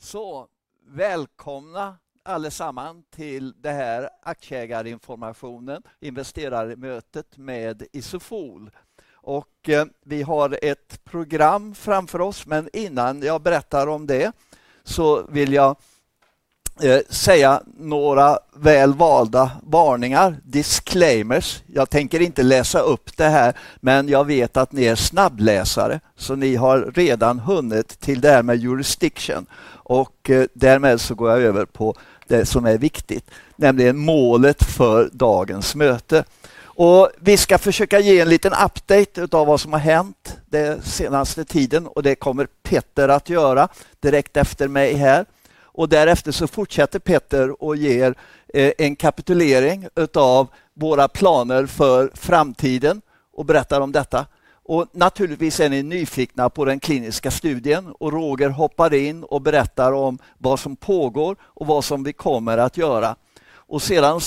Så, välkomna allesammans till det här aktieägarinformationen, investerarmötet med Isofol. Vi har ett program framför oss, men innan jag berättar om det vill jag säga några väl valda varningar, disclaimers. Jag tänker inte läsa upp det här, men jag vet att ni är snabbläsare, så ni har redan hunnit till det här med jurisdiction. Därmed går jag över på det som är viktigt, nämligen målet för dagens möte. Vi ska försöka ge en liten update av vad som har hänt den senaste tiden, och det kommer Petter att göra direkt efter mig här. Därefter fortsätter Petter och ger en kapitulering av våra planer för framtiden och berättar om detta. Naturligtvis är ni nyfikna på den kliniska studien, och Roger hoppar in och berättar om vad som pågår och vad som vi kommer att göra. Sedan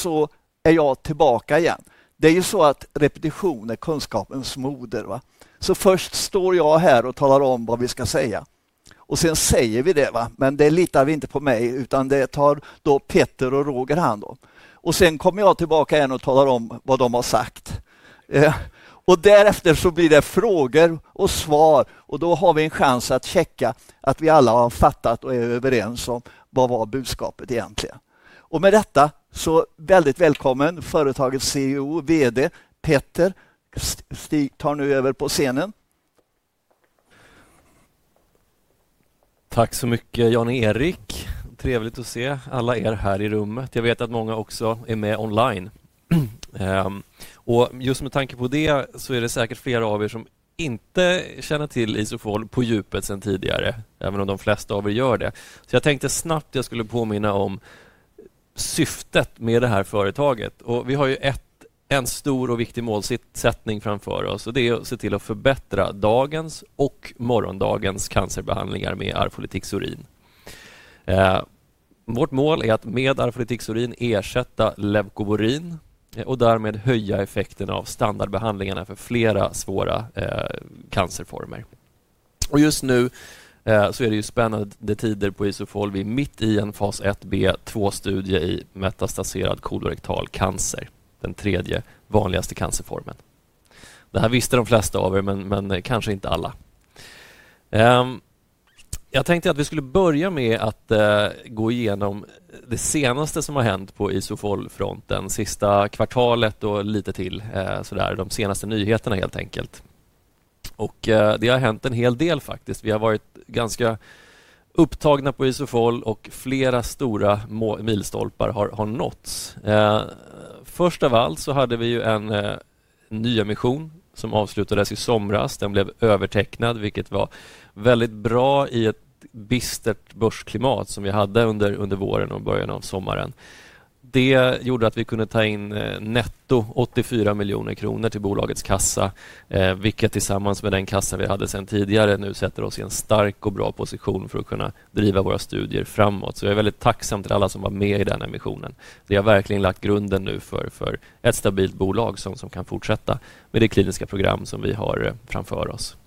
är jag tillbaka igen. Det är ju så att repetition är kunskapens moder, va? Så först står jag här och talar om vad vi ska säga. Och sen säger vi det, va? Men det litar vi inte på mig, utan det tar då Petter och Roger hand om. Och sen kommer jag tillbaka igen och talar om vad de har sagt. Och därefter så blir det frågor och svar, och då har vi en chans att checka att vi alla har fattat och är överens om vad budskapet egentligen var. Och med detta så, väldigt välkommen företagets CEO och VD, Petter. Stig tar nu över på scenen. Tack så mycket, Jan-Erik. Trevligt att se alla här i rummet. Jag vet att många också är med online. Just med tanke på det så är det säkert flera av er som inte känner till Isofol på djupet sedan tidigare, även om de flesta av er gör det. Så jag tänkte snabbt att jag skulle påminna om syftet med det här företaget. Vi har ju en stor och viktig målsättning framför oss, och det är att se till att förbättra dagens och morgondagens cancerbehandlingar med Arfolitixurin. Vårt mål är att med Arfolitixurin ersätta Leukovorin och därmed höja effekten av standardbehandlingarna för flera svåra cancerformer. Just nu så är det ju spännande tider på Isofol. Vi är mitt i en fas 1B2-studie i metastaserad kolorektal cancer, den tredje vanligaste cancerformen. Det här visste de flesta av er men kanske inte alla. Jag tänkte att vi skulle börja med att gå igenom det senaste som har hänt på Isofol-fronten, sista kvartalet och lite till, så där de senaste nyheterna helt enkelt. Det har hänt en hel del faktiskt. Vi har varit ganska upptagna på Isofol och flera stora milstolpar har nåtts. Först av allt så hade vi ju en nyemission som avslutades i somras. Den blev övertecknad, vilket var väldigt bra i ett bistert börsklimat som vi hade under våren och början av sommaren. Det gjorde att vi kunde ta in netto 84 miljoner kronor till bolagets kassa, vilket tillsammans med den kassa vi hade sedan tidigare nu sätter oss i en stark och bra position för att kunna driva våra studier framåt. Jag är väldigt tacksam till alla som var med i den emissionen. Det har verkligen lagt grunden nu för ett stabilt bolag som kan fortsätta med det kliniska program som vi har framför oss.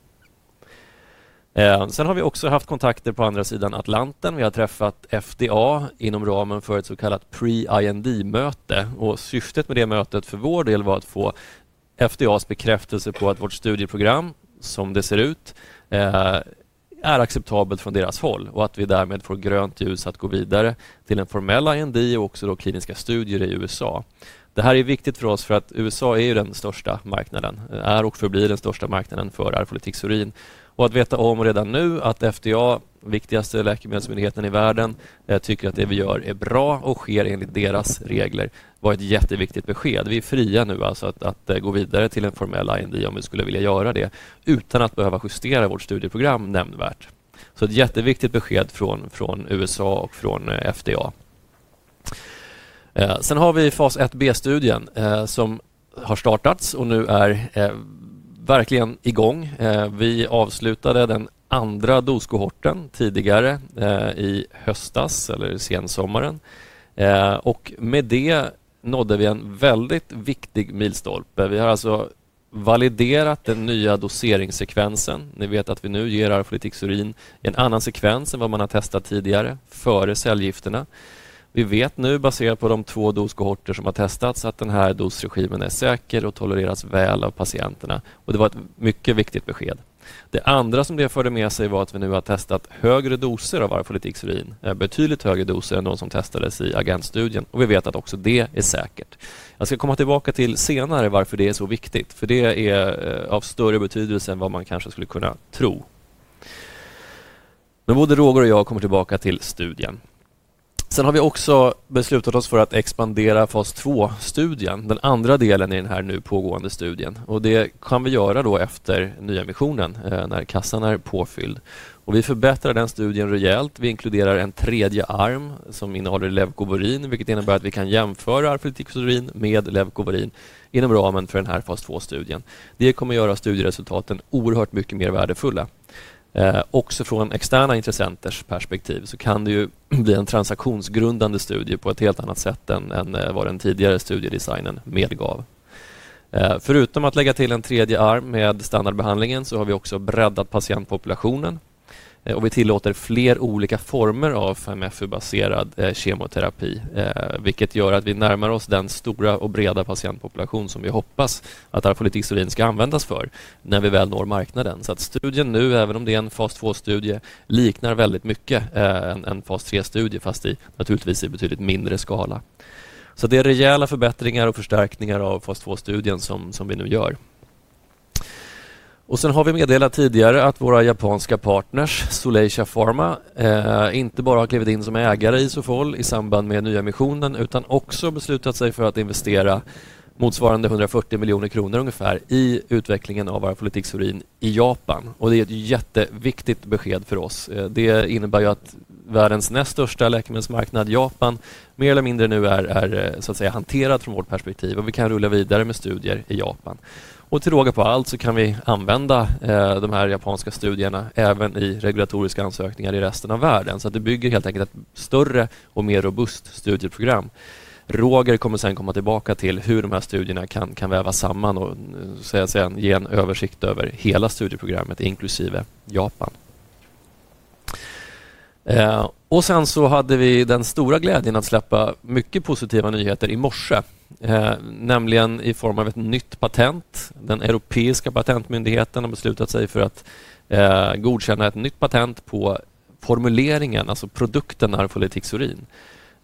Sen har vi också haft kontakter på andra sidan Atlanten. Vi har träffat FDA inom ramen för ett så kallat pre-IND-möte. Syftet med det mötet för vår del var att få FDAs bekräftelse på att vårt studieprogram, som det ser ut, är acceptabelt från deras håll och att vi därmed får grönt ljus att gå vidare till en formell IND och också då kliniska studier i USA. Det här är viktigt för oss för att USA är ju den största marknaden, är och förblir den största marknaden för Arfolitix Urin. Att veta om redan nu att FDA, viktigaste läkemedelsmyndigheten i världen, tycker att det vi gör är bra och sker enligt deras regler, var ett jätteviktigt besked. Vi är fria nu alltså att gå vidare till en formell IND om vi skulle vilja göra det utan att behöva justera vårt studieprogram nämnvärt. Så ett jätteviktigt besked från USA och från FDA. Sen har vi fas 1B-studien som har startats och nu är verkligen igång. Vi avslutade den andra doskohorten tidigare i höstas eller sensommaren. Och med det nådde vi en väldigt viktig milstolpe. Vi har alltså validerat den nya doseringssekvensen. Ni vet att vi nu ger Arfolitix Urin i en annan sekvens än vad man har testat tidigare före cellgifterna. Vi vet nu, baserat på de två doskohorter som har testats, att den här dosregimen är säker och tolereras väl av patienterna. Och det var ett mycket viktigt besked. Det andra som det förde med sig var att vi nu har testat högre doser av Arfolitix Urin, betydligt högre doser än de som testades i agentstudien. Och vi vet att också det är säkert. Jag ska komma tillbaka till senare varför det är så viktigt, för det är av större betydelse än vad man kanske skulle kunna tro. Men både Roger och jag kommer tillbaka till studien. Sen har vi också beslutat oss för att expandera fas 2-studien, den andra delen i den här nu pågående studien. Och det kan vi göra då efter nyemissionen när kassan är påfylld. Och vi förbättrar den studien rejält. Vi inkluderar en tredje arm som innehåller Levkovorin, vilket innebär att vi kan jämföra Arfolitix Urin med Levkovorin inom ramen för den här fas 2-studien. Det kommer göra studieresultaten oerhört mycket mer värdefulla. Också från externa intressenters perspektiv så kan det ju bli en transaktionsgrundande studie på ett helt annat sätt än vad den tidigare studiedesignen medgav. Förutom att lägga till en tredje arm med standardbehandlingen så har vi också breddat patientpopulationen. Vi tillåter fler olika former av 5FU-baserad kemoterapi, vilket gör att vi närmar oss den stora och breda patientpopulation som vi hoppas att Arfolitix Urin ska användas för när vi väl når marknaden. Studien nu, även om det är en fas 2-studie, liknar väldigt mycket en fas 3-studie, fast i naturligtvis i betydligt mindre skala. Det är rejäla förbättringar och förstärkningar av fas 2-studien som vi nu gör. Vi har meddelat tidigare att våra japanska partners, Sollei Shafarma, inte bara har klivit in som ägare i Isofol i samband med nyemissionen, utan också beslutat sig för att investera motsvarande 140 miljoner kronor ungefär i utvecklingen av Arfolitix Urin i Japan. Det är ett jätteviktigt besked för oss. Det innebär ju att världens näst största läkemedelsmarknad, Japan, mer eller mindre nu är så att säga hanterad från vårt perspektiv, och vi kan rulla vidare med studier i Japan. Till råga på allt så kan vi använda de här japanska studierna även i regulatoriska ansökningar i resten av världen. Det bygger helt enkelt ett större och mer robust studieprogram. Roger kommer sedan komma tillbaka till hur de här studierna kan vävas samman och så att säga ge en översikt över hela studieprogrammet inklusive Japan. Sen så hade vi den stora glädjen att släppa mycket positiva nyheter i morse, nämligen i form av ett nytt patent. Den europeiska patentmyndigheten har beslutat sig för att godkänna ett nytt patent på formuleringen, alltså produkten Arfolitix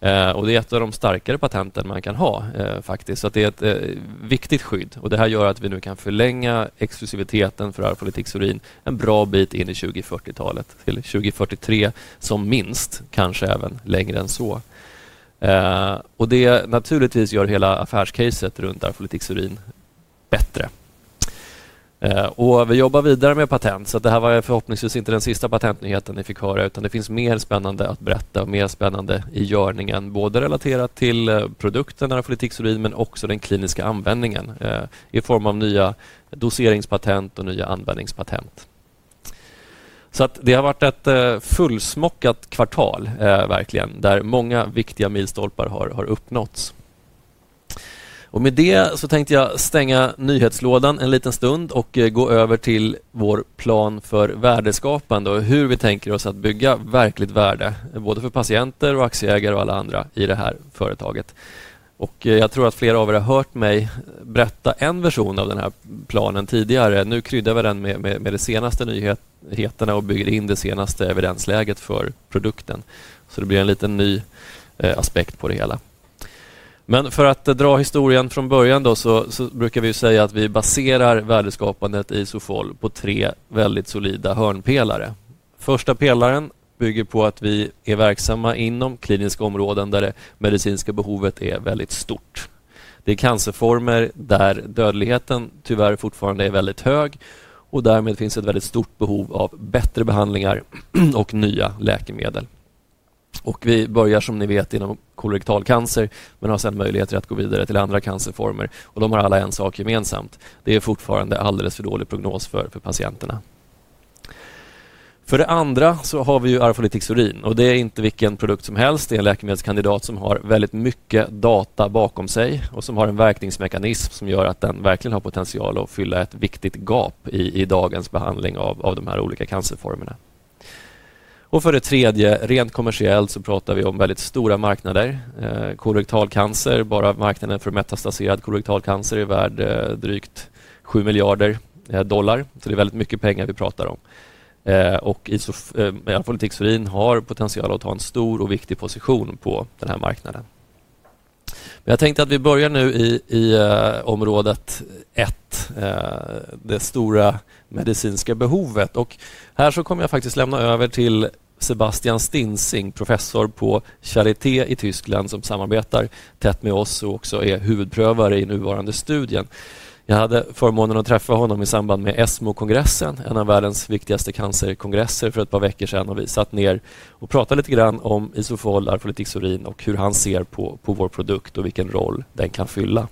Urin. Det är ett av de starkare patenten man kan ha faktiskt. Det är ett viktigt skydd. Och det här gör att vi nu kan förlänga exklusiviteten för Arfolitix Urin en bra bit in i 2040-talet till 2043 som minst, kanske även längre än så. Det naturligtvis gör hela affärscaset runt Arfolitix Urin bättre. Vi jobbar vidare med patent. Det här var förhoppningsvis inte den sista patentnyheten ni fick höra, utan det finns mer spännande att berätta och mer spännande i görningen, både relaterat till produkten Arfolitix Urin, men också den kliniska användningen i form av nya doseringspatent och nya användningspatent. Det har varit ett fullsmockat kvartal, verkligen, där många viktiga milstolpar har uppnåtts. Med det så tänkte jag stänga nyhetslådan en liten stund och gå över till vår plan för värdeskapande och hur vi tänker oss att bygga verkligt värde, både för patienter och aktieägare och alla andra i det här företaget. Och jag tror att flera av er har hört mig berätta en version av den här planen tidigare. Nu kryddar vi den med de senaste nyheterna och bygger in det senaste evidensläget för produkten. Så det blir en liten ny aspekt på det hela. Men för att dra historien från början då så brukar vi ju säga att vi baserar värdeskapandet i Isofol på tre väldigt solida hörnpelare. Första pelaren bygger på att vi är verksamma inom kliniska områden där det medicinska behovet är väldigt stort. Det är cancerformer där dödligheten tyvärr fortfarande är väldigt hög och därmed finns det ett väldigt stort behov av bättre behandlingar och nya läkemedel. Och vi börjar, som ni vet, inom kolorektal cancer, men har sedan möjligheter att gå vidare till andra cancerformer. Och de har alla en sak gemensamt. Det är fortfarande alldeles för dålig prognos för patienterna. För det andra så har vi ju Arfolite Urin, och det är inte vilken produkt som helst. Det är en läkemedelskandidat som har väldigt mycket data bakom sig och som har en verkningsmekanism som gör att den verkligen har potential att fylla ett viktigt gap i dagens behandling av de här olika cancerformerna. För det tredje, rent kommersiellt, så pratar vi om väldigt stora marknader. Kolorektal cancer, bara marknaden för metastaserad kolorektal cancer, är värd drygt $7 miljarder. Så det är väldigt mycket pengar vi pratar om. Arfolite Urin har potential att ta en stor och viktig position på den här marknaden. Men jag tänkte att vi börjar nu i området ett, det stora medicinska behovet. Här så kommer jag faktiskt lämna över till Sebastian Stinsing, Professor på Charité i Tyskland, som samarbetar tätt med oss och också är huvudprövare i nuvarande studien. Jag hade förmånen att träffa honom i samband med ESMO-kongressen, en av världens viktigaste cancerkongresser, för ett par veckor sedan, och vi satt ner och pratade lite grann om Isofol, Arfolitix Urin och hur han ser på vår produkt och vilken roll den kan fylla.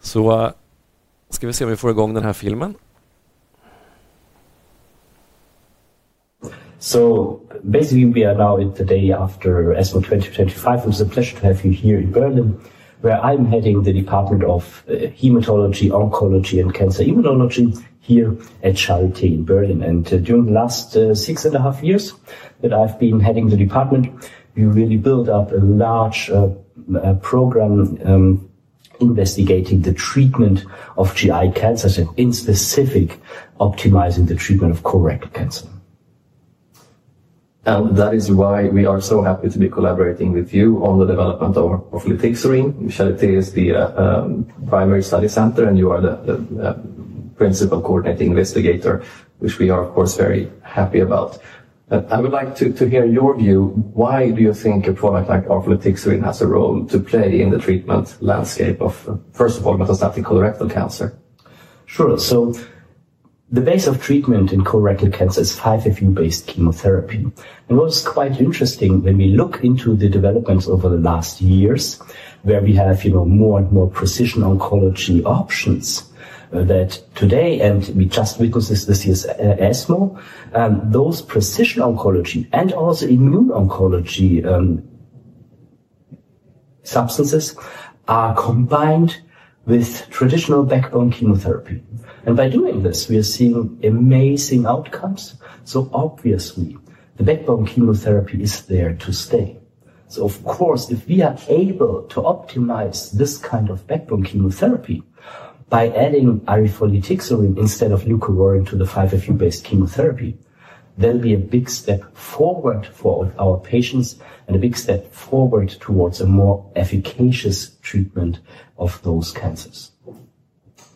Ska vi se om vi får igång den här filmen. So basically we are now in the day after ESMO 2025. It's a pleasure to have you here in Berlin, where I'm heading the Department of Hematology, Oncology and Cancer Immunology here at Charité in Berlin. And during the last six and a half years that I've been heading the department, we really built up a large program investigating the treatment of GI cancers and in specific optimizing the treatment of colorectal cancer. And that is why we are so happy to be collaborating with you on the development of Arfolitix Urin. Charité is the primary study center, and you are the principal coordinating investigator, which we are of course very happy about. But I would like to hear your view. Why do you think a product like Arfolitix Urin has a role to play in the treatment landscape of, first of all, metastatic colorectal cancer? Sure. The base of treatment in colorectal cancer is 5FU-based chemotherapy. What's quite interesting when we look into the developments over the last years, where we have more and more precision oncology options that today, and we just witnessed this this year's ESMO, those precision oncology and also immune oncology substances are combined with traditional backbone chemotherapy. By doing this, we are seeing amazing outcomes. Obviously, the backbone chemotherapy is there to stay. Of course, if we are able to optimize this kind of backbone chemotherapy by adding Arfolitixurin instead of Leucovorin to the 5FU-based chemotherapy, there will be a big step forward for our patients and a big step forward towards a more efficacious treatment of those cancers.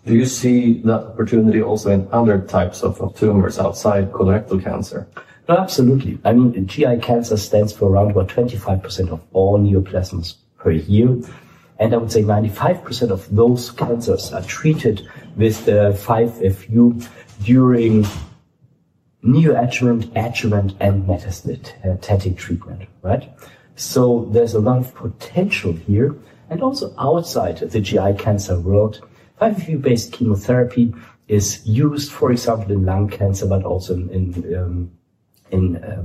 Do you see that opportunity also in other types of tumors outside colorectal cancer? Absolutely. I mean, GI cancer stands for around about 25% of all neoplasms per year. I would say 95% of those cancers are treated with 5FU during neoadjuvant, adjuvant and metastatic treatment, right? So there's a lot of potential here. Also outside the GI cancer world, 5FU-based chemotherapy is used, for example, in lung cancer, but also in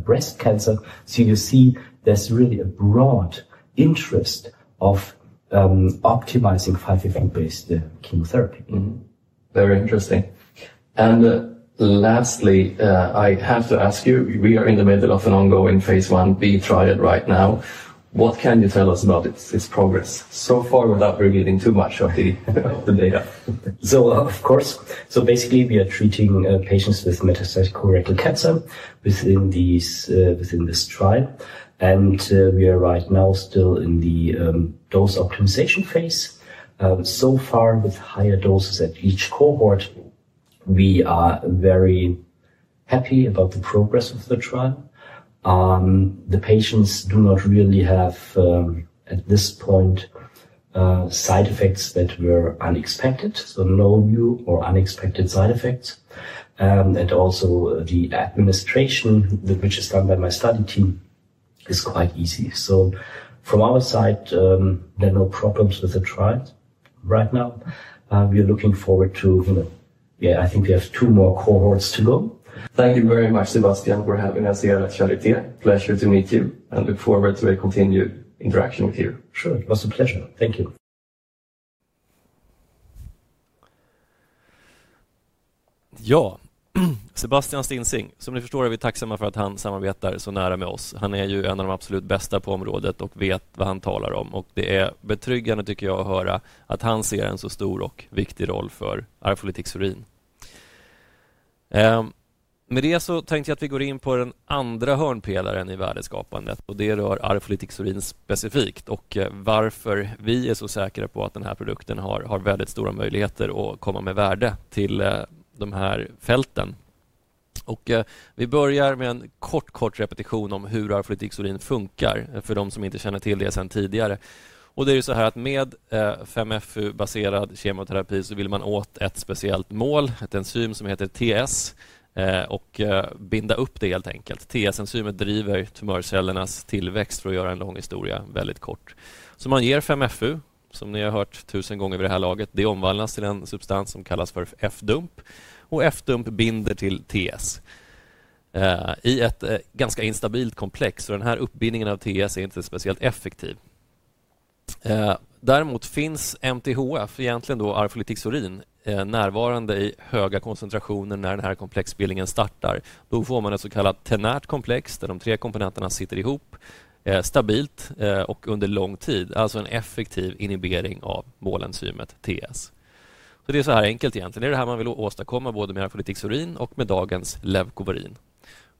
breast cancer. So you see there's really a broad interest of optimizing 5FU-based chemotherapy. Very interesting. Lastly, I have to ask you, we are in the middle of an ongoing phase 1B trial right now. What can you tell us about its progress so far without revealing too much of the data? So of course, so basically we are treating patients with metastatic colorectal cancer within this trial. We are right now still in the dose optimization phase. So far, with higher doses at each cohort, we are very happy about the progress of the trial. The patients do not really have, at this point, side effects that were unexpected, so no new or unexpected side effects. Also the administration, which is done by my study team, is quite easy. From our side, there are no problems with the trial right now. We are looking forward to, yeah, I think we have two more cohorts to go. Thank you very much, Sebastian, for having us here at Charité. Pleasure to meet you and look forward to a continued interaction with you. Sure, it was a pleasure. Thank you. Ja, Sebastian Stinsing, som ni förstår är vi tacksamma för att han samarbetar så nära med oss. Han är ju en av de absolut bästa på området och vet vad han talar om. Och det är betryggande, tycker jag, att höra att han ser en så stor och viktig roll för Arfolitix Urin. Med det så tänkte jag att vi går in på den andra hörnpelaren i värdeskapandet, och det rör Arfolitix Urin specifikt och varför vi är så säkra på att den här produkten har väldigt stora möjligheter att komma med värde till de här fälten. Vi börjar med en kort repetition om hur Arfolitix Urin funkar för de som inte känner till det sedan tidigare. Det är ju så här att med 5FU-baserad kemoterapi så vill man åt ett speciellt mål, ett enzym som heter TS, och binda upp det helt enkelt. TS-enzymet driver tumörcellernas tillväxt för att göra en lång historia väldigt kort. Så man ger 5FU, som ni har hört tusen gånger vid det här laget, det omvandlas till en substans som kallas för F-dUMP, och F-dUMP binder till TS i ett ganska instabilt komplex, och den här uppbindningen av TS är inte speciellt effektiv. Däremot finns MTHF, egentligen då Arfolitix Urin, närvarande i höga koncentrationer när den här komplexbildningen startar. Då får man en så kallad ternärt komplex där de tre komponenterna sitter ihop stabilt och under lång tid, alltså en effektiv inhibering av målenzymet TS. Det är så här enkelt egentligen. Det är det här man vill åstadkomma både med Arfolitix Urin och med dagens Levkovorin.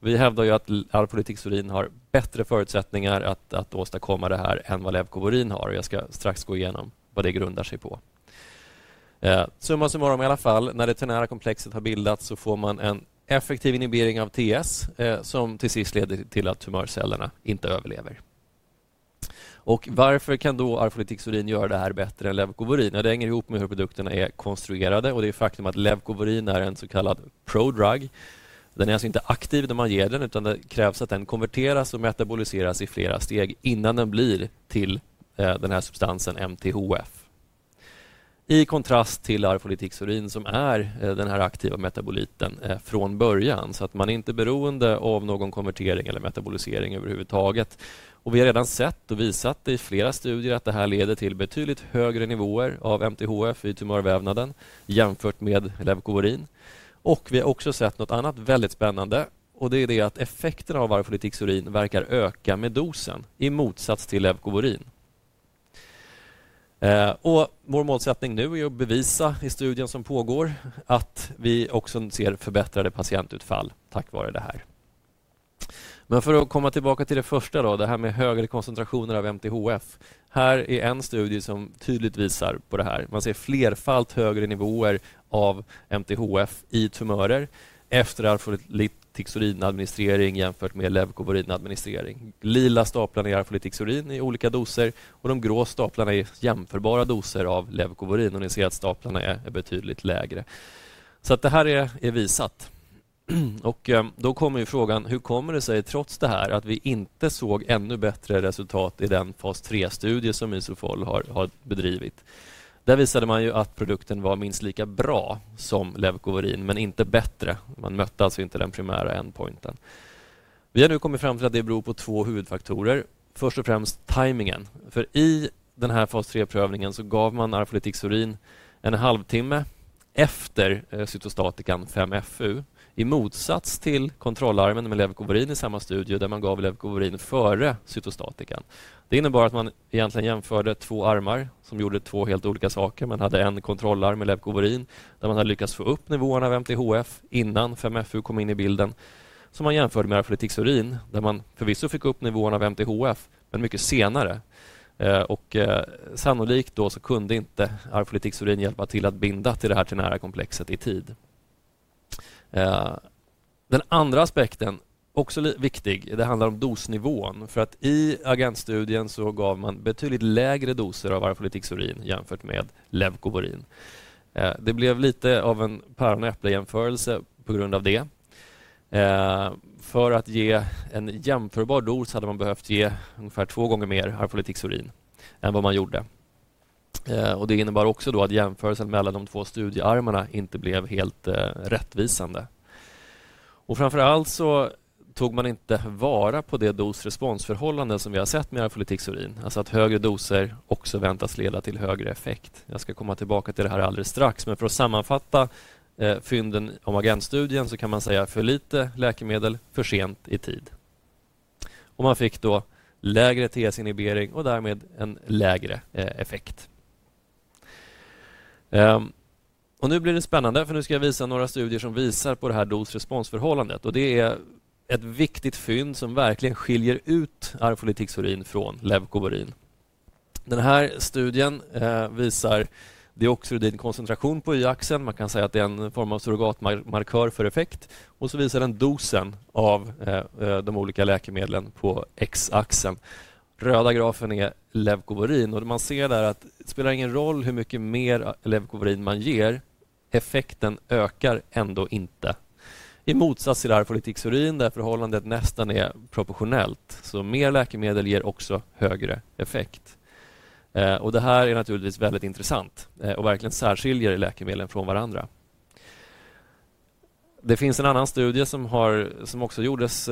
Vi hävdar ju att Arfolitix Urin har bättre förutsättningar att åstadkomma det här än vad Levkovorin har, och jag ska strax gå igenom vad det grundar sig på. Summa summarum i alla fall, när det TEN-komplexet har bildats så får man en effektiv inhibering av TS som till sist leder till att tumörcellerna inte överlever. Och varför kan då Arfolate göra det här bättre än Leukovorin? Ja, det hänger ihop med hur produkterna är konstruerade, och det är faktum att Leukovorin är en så kallad pro-drug. Den är alltså inte aktiv när man ger den, utan det krävs att den konverteras och metaboliseras i flera steg innan den blir till den här substansen MTHF. I kontrast till Arfolate, som är den här aktiva metaboliten från början, så att man inte är beroende av någon konvertering eller metabolisering överhuvudtaget. Och vi har redan sett och visat det i flera studier att det här leder till betydligt högre nivåer av MTHF i tumörvävnaden jämfört med Leukovorin. Och vi har också sett något annat väldigt spännande, och det är det att effekten av Arfolitix Urin verkar öka med dosen i motsats till Levkovorin. Och vår målsättning nu är att bevisa i studien som pågår att vi också ser förbättrade patientutfall tack vare det här. Men för att komma tillbaka till det första då, det här med högre koncentrationer av MTHF, här är en studie som tydligt visar på det här. Man ser flerfalt högre nivåer av MTHF i tumörer efter Arfolitix Urin-administrering jämfört med Levkovorin-administrering. Lila staplarna är Arfolitix Urin i olika doser, och de grå staplarna är jämförbara doser av Levkovorin, och ni ser att staplarna är betydligt lägre. Så att det här är visat. Och då kommer ju frågan: hur kommer det sig trots det här att vi inte såg ännu bättre resultat i den fas 3-studie som Isofol har bedrivit? Där visade man ju att produkten var minst lika bra som Leukovorin, men inte bättre. Man mötte alltså inte den primära endpointen. Vi har nu kommit fram till att det beror på två huvudfaktorer. Först och främst timingen. För i den här fas 3-prövningen så gav man Arfolitix Urin en halvtimme efter cytostatikan, 5FU, i motsats till kontrollarmen med Leukovorin i samma studie där man gav Leukovorin före cytostatikan. Det innebar att man egentligen jämförde två armar som gjorde två helt olika saker. Man hade en kontrollarm med Leukovorin där man hade lyckats få upp nivåerna av MTHF innan 5FU kom in i bilden, som man jämförde med Arfolitix Urin, där man förvisso fick upp nivåerna av MTHF, men mycket senare. Och sannolikt då så kunde inte Arfolitix Urin hjälpa till att binda till det här ternära komplexet i tid. Den andra aspekten, också viktig, det handlar om dosnivån, för att i agentstudien så gav man betydligt lägre doser av Arfolitix Urin jämfört med Levkovorin. Det blev lite av en päron-äpple-jämförelse på grund av det. För att ge en jämförbar dos hade man behövt ge ungefär två gånger mer Arfolitix Urin än vad man gjorde. Det innebar också då att jämförelsen mellan de två studiearmarna inte blev helt rättvisande. Framför allt så tog man inte vara på det dos-responsförhållande som vi har sett med Arfolitix Urin, alltså att högre doser också väntas leda till högre effekt. Jag ska komma tillbaka till det här alldeles strax, men för att sammanfatta fynden om agentstudien så kan man säga: för lite läkemedel, för sent i tid. Man fick då lägre TS-inhibering och därmed en lägre effekt. Och nu blir det spännande, för nu ska jag visa några studier som visar på det här dos-responsförhållandet, och det är ett viktigt fynd som verkligen skiljer ut Arfolitix Urin från Levkovorin. Den här studien visar dioxyridin-koncentration på y-axeln. Man kan säga att det är en form av surrogatmarkör för effekt, och så visar den dosen av de olika läkemedlen på x-axeln. Röda grafen är Levkovorin, och man ser där att det spelar ingen roll hur mycket mer Levkovorin man ger, effekten ökar ändå inte. I motsats till Arfolitix Urin, där förhållandet nästan är proportionellt, så mer läkemedel ger också högre effekt. Det här är naturligtvis väldigt intressant och verkligen särskiljer läkemedlen från varandra. Det finns en annan studie som också gjordes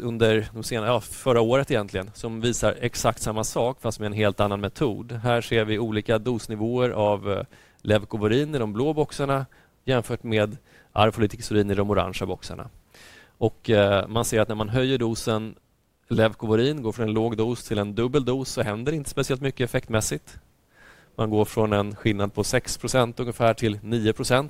under det senaste året egentligen, som visar exakt samma sak, fast med en helt annan metod. Här ser vi olika dosnivåer av Levkovorin i de blå boxarna, jämfört med Arfolitix Urin i de orangea boxarna. Man ser att när man höjer dosen Levkovorin, går från en låg dos till en dubbel dos, så händer det inte speciellt mycket effektmässigt. Man går från en skillnad på 6% ungefär till 9%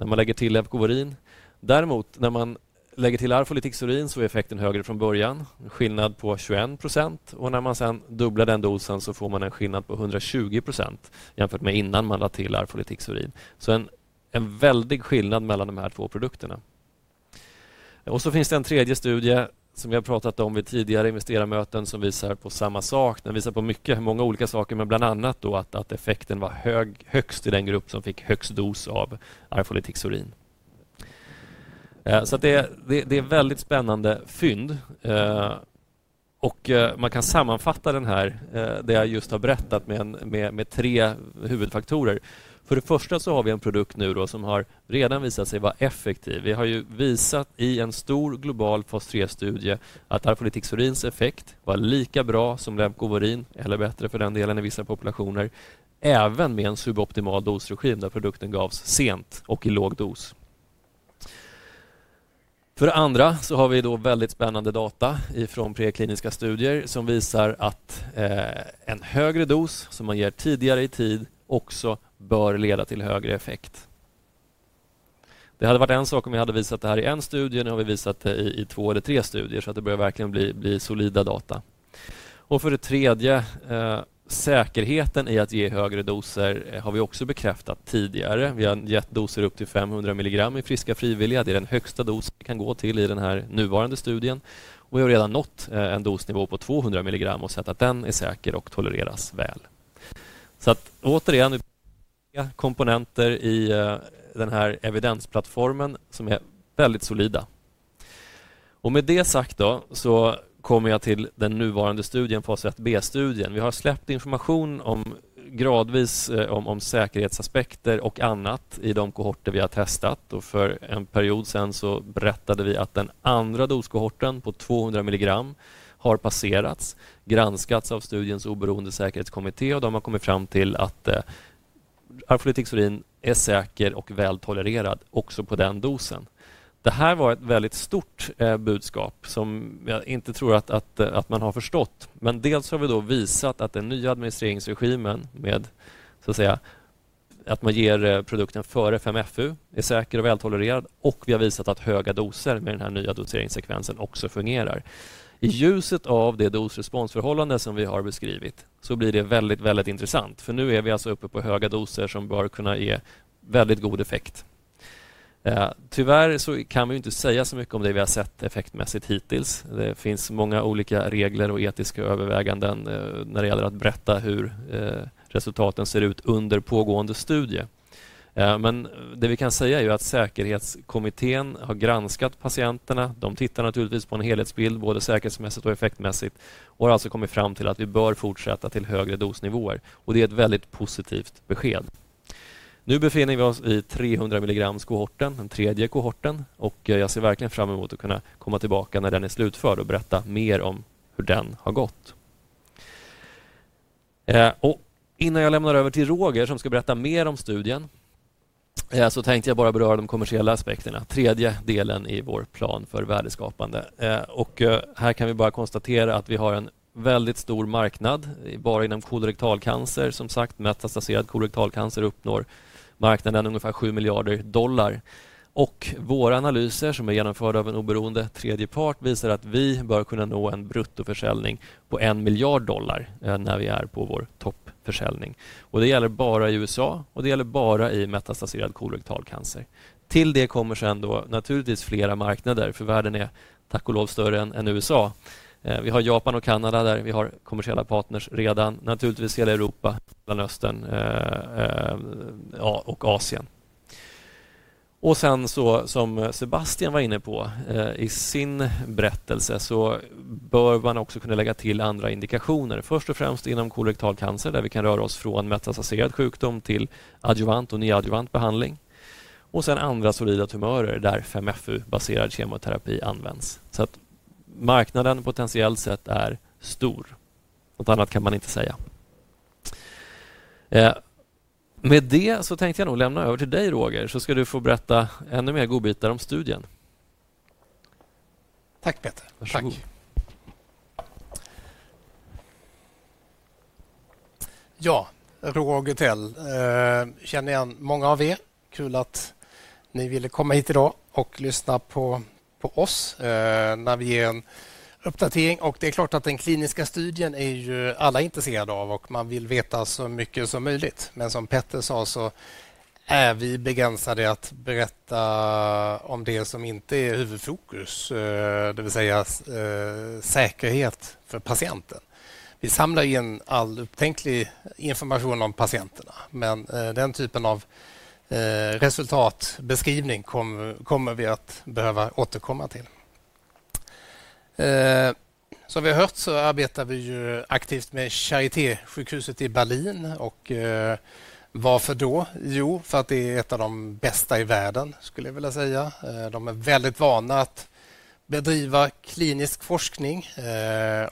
när man lägger till Levkovorin. Däremot, när man lägger till Arfolitix Urin, så är effekten högre från början, en skillnad på 21%, och när man sedan dubblar den dosen så får man en skillnad på 120% jämfört med innan man lade till Arfolitix Urin. Så en väldig skillnad mellan de här två produkterna. Det finns en tredje studie som vi har pratat om vid tidigare investerarmöten som visar på samma sak. Den visar på mycket, många olika saker, men bland annat då att effekten var högst i den grupp som fick högst dos av Arfolitix Urin. Så det är väldigt spännande fynd. Man kan sammanfatta det här, det jag just har berättat, med tre huvudfaktorer. För det första så har vi en produkt nu då som har redan visat sig vara effektiv. Vi har ju visat i en stor global fas 3-studie att Arfolitix Urins effekt var lika bra som Levkovorin, eller bättre för den delen i vissa populationer, även med en suboptimal dosregim där produkten gavs sent och i låg dos. För det andra så har vi då väldigt spännande data från prekliniska studier som visar att en högre dos som man ger tidigare i tid också bör leda till högre effekt. Det hade varit en sak om vi hade visat det här i en studie, nu har vi visat det i två eller tre studier, så att det börjar verkligen bli solida data. För det tredje, säkerheten i att ge högre doser har vi också bekräftat tidigare. Vi har gett doser upp till 500 mg i friska frivilliga. Det är den högsta dos vi kan gå till i den här nuvarande studien. Vi har redan nått en dosnivå på 200 mg och sett att den är säker och tolereras väl. Återigen, tre komponenter i den här evidensplattformen som är väldigt solida. Med det sagt så kommer jag till den nuvarande studien, fas 1B-studien. Vi har släppt information gradvis om säkerhetsaspekter och annat i de kohorter vi har testat. Och för en period sedan så berättade vi att den andra doskohorten på 200 mg har passerats, granskats av studiens oberoende säkerhetskommitté, och de har kommit fram till att Arfolitix Urin är säker och väl tolererad också på den dosen. Det här var ett väldigt stort budskap som jag inte tror att man har förstått. Men dels har vi då visat att den nya administreringsregimen med så att säga att man ger produkten före 5FU är säker och väl tolererad, och vi har visat att höga doser med den här nya doseringssekvensen också fungerar. I ljuset av det dos-responsförhållande som vi har beskrivit så blir det väldigt, väldigt intressant, för nu är vi alltså uppe på höga doser som bör kunna ge väldigt god effekt. Tyvärr så kan vi ju inte säga så mycket om det vi har sett effektmässigt hittills. Det finns många olika regler och etiska överväganden när det gäller att berätta hur resultaten ser ut under pågående studie. Men det vi kan säga är ju att säkerhetskommittén har granskat patienterna. De tittar naturligtvis på en helhetsbild, både säkerhetsmässigt och effektmässigt, och har alltså kommit fram till att vi bör fortsätta till högre dosnivåer. Det är ett väldigt positivt besked. Nu befinner vi oss i 300 mg-kohorten, den tredje kohorten, och jag ser verkligen fram emot att kunna komma tillbaka när den är slutförd och berätta mer om hur den har gått. Innan jag lämnar över till Roger som ska berätta mer om studien så tänkte jag bara beröra de kommersiella aspekterna, tredje delen i vår plan för värdeskapande. Här kan vi bara konstatera att vi har en väldigt stor marknad, bara inom kolorektal cancer, som sagt, metastaserad kolorektal cancer uppnår marknaden ungefär $7 miljarder. Och våra analyser som är genomförda av en oberoende tredjepart visar att vi bör kunna nå en bruttoförsäljning på $1 miljard när vi är på vår toppförsäljning. Det gäller bara i USA, och det gäller bara i metastaserad kolorektal cancer. Till det kommer sedan då naturligtvis flera marknader, för världen är tack och lov större än USA. Vi har Japan och Kanada där vi har kommersiella partners redan, naturligtvis hela Europa, Mellanöstern, ja, och Asien. Sedan så, som Sebastian var inne på i sin berättelse, så bör man också kunna lägga till andra indikationer, först och främst inom kolorektal cancer där vi kan röra oss från metastaserad sjukdom till adjuvant och neoadjuvant behandling. Sedan andra solida tumörer där 5FU-baserad kemoterapi används. Marknaden potentiellt sett är stor. Något annat kan man inte säga. Med det så tänkte jag nog lämna över till dig, Roger, så ska du få berätta ännu mer godbitar om studien. Tack, Petter. Tack. Ja, Roger Tell, känner igen många av er. Kul att ni ville komma hit idag och lyssna på oss när vi ger en uppdatering. Det är klart att den kliniska studien är ju alla intresserade av, och man vill veta så mycket som möjligt. Men som Petter sa så är vi begränsade att berätta om det som inte är huvudfokus, det vill säga säkerhet för patienten. Vi samlar in all upptänklig information om patienterna, men den typen av resultatbeskrivning kommer vi att behöva återkomma till. Som vi har hört så arbetar vi ju aktivt med Charité-sjukhuset i Berlin. Varför då? Jo, för att det är ett av de bästa i världen, skulle jag vilja säga. De är väldigt vana att bedriva klinisk forskning,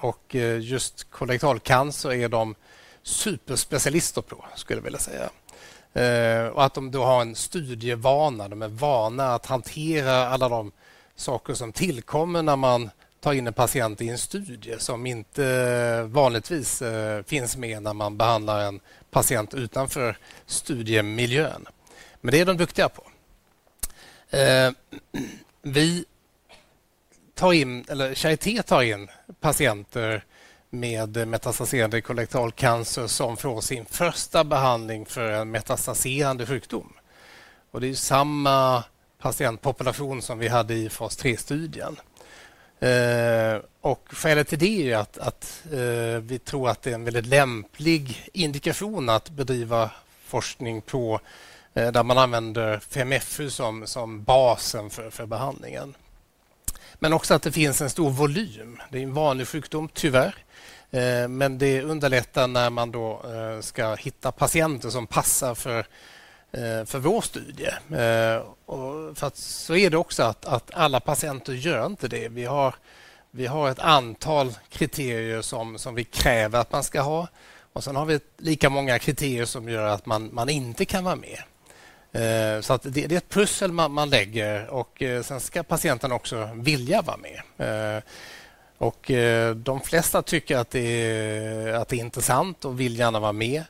och just kolorektal cancer är de superspecialister på, skulle jag vilja säga. Att de då har en studievana, de är vana att hantera alla de saker som tillkommer när man tar in en patient i en studie som inte vanligtvis finns med när man behandlar en patient utanför studiemiljön. Men det är de duktiga på. Vi tar in, eller Charité tar in patienter med metastaserande kolorektal cancer som får sin första behandling för en metastaserande sjukdom. Det är ju samma patientpopulation som vi hade i fas 3-studien. Skälet till det är ju att vi tror att det är en väldigt lämplig indikation att bedriva forskning på där man använder 5FU som basen för behandlingen. Men också att det finns en stor volym. Det är en vanlig sjukdom, tyvärr, men det underlättar när man då ska hitta patienter som passar för vår studie. För att så är det också att alla patienter gör inte det. Vi har ett antal kriterier som vi kräver att man ska ha, och sedan har vi lika många kriterier som gör att man inte kan vara med. Det är ett pussel man lägger, och sedan ska patienten också vilja vara med. De flesta tycker att det är intressant och vill gärna vara med,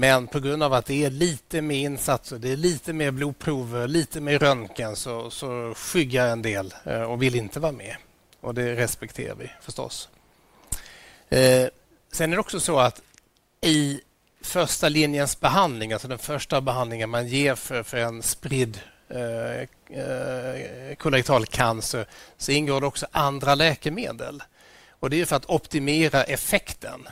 men på grund av att det är lite mer insatser, det är lite mer blodprover, lite mer röntgen, så skyggar en del och vill inte vara med. Det respekterar vi förstås. Sedan är det också så att i första linjens behandling, alltså den första behandlingen man ger för en spridd kolorektal cancer, så ingår det också andra läkemedel. Och det är ju för att optimera effekten.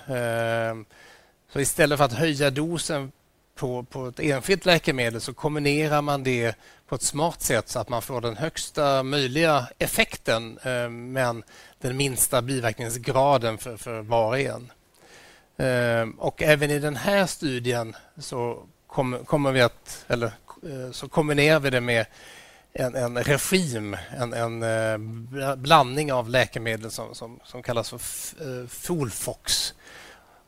Så istället för att höja dosen på ett enskilt läkemedel så kombinerar man det på ett smart sätt så att man får den högsta möjliga effekten, men den minsta biverkningsgraden för var och en. Och även i den här studien så kommer vi att, eller så kombinerar vi det med en regim, en blandning av läkemedel som kallas för FOLFOX.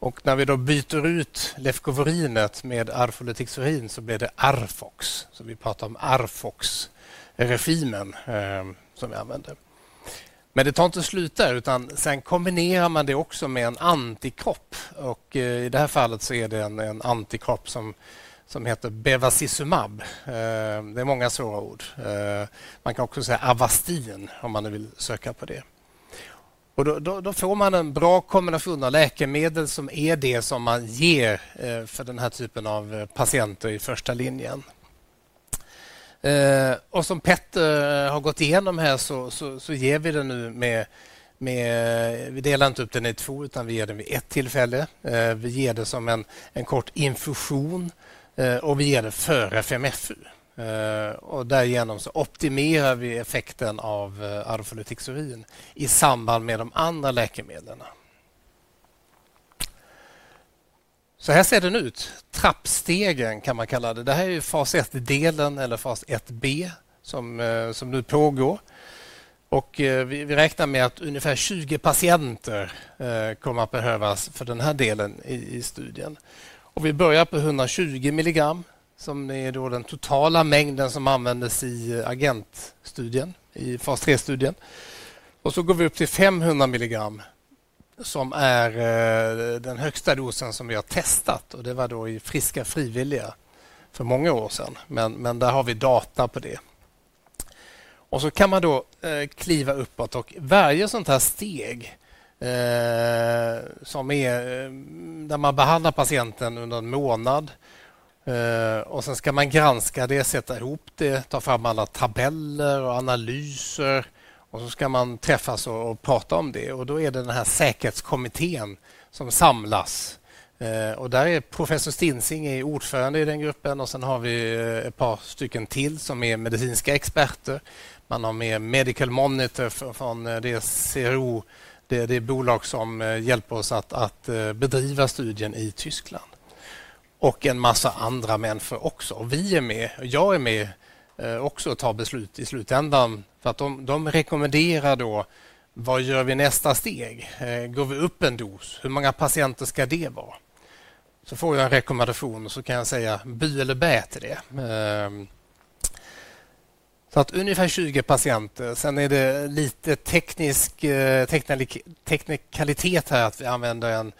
Och när vi då byter ut Levkovorinet med Arfolitix Urin så blir det Arfox, så vi pratar om Arfox-regimen som vi använder. Men det tar inte slut där, utan sedan kombinerar man det också med en antikropp, och i det här fallet så är det en antikropp som heter Bevacizumab. Det är många svåra ord. Man kan också säga Avastin om man nu vill söka på det. Och då får man en bra kombination av läkemedel som är det som man ger för den här typen av patienter i första linjen. Och som Petter har gått igenom här så ger vi det nu med, vi delar inte upp den i två utan vi ger den vid ett tillfälle. Vi ger det som en kort infusion, och vi ger det före 5FU. Och därigenom så optimerar vi effekten av Arfolitix Urin i samband med de andra läkemedlen. Så här ser den ut, trappstegen kan man kalla det. Det här är ju fas 1-delen eller fas 1B som nu pågår. Och vi räknar med att ungefär 20 patienter kommer att behövas för den här delen i studien. Och vi börjar på 120 mg som är då den totala mängden som användes i agentstudien, i fas 3-studien. Och så går vi upp till 500 mg som är den högsta dosen som vi har testat, och det var då i friska frivilliga för många år sedan. Men där har vi data på det. Och så kan man då kliva uppåt och varje sådant här steg som är där man behandlar patienten under en månad, och sedan ska man granska det, sätta ihop det, ta fram alla tabeller och analyser, och så ska man träffas och prata om det. Och då är det den här säkerhetskommittén som samlas. Och där är Professor Stinsing ordförande i den gruppen, och sedan har vi ett par stycken till som är medicinska experter. Man har med Medical Monitor från DCRO, det är bolag som hjälper oss att bedriva studien i Tyskland. Och en massa andra människor också. Och vi är med, och jag är med också och tar beslut i slutändan. För att de rekommenderar då, vad gör vi nästa steg? Går vi upp en dos? Hur många patienter ska det vara? Så får jag en rekommendation, och så kan jag säga ja eller nej till det. Så att ungefär 20 patienter. Sedan är det lite teknisk teknikalitet här att vi använder en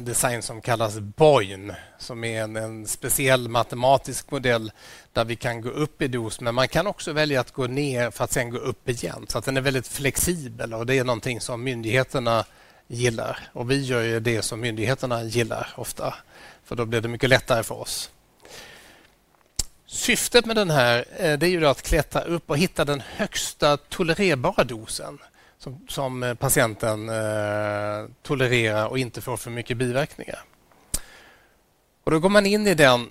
design som kallas BOIN, som är en speciell matematisk modell där vi kan gå upp i dos, men man kan också välja att gå ner för att sedan gå upp igen. Så att den är väldigt flexibel, och det är något som myndigheterna gillar. Vi gör ju det som myndigheterna gillar ofta, för då blir det mycket lättare för oss. Syftet med den här, det är ju då att klättra upp och hitta den högsta tolererbara dosen som patienten tolererar och inte får för mycket biverkningar. Och då går man in i den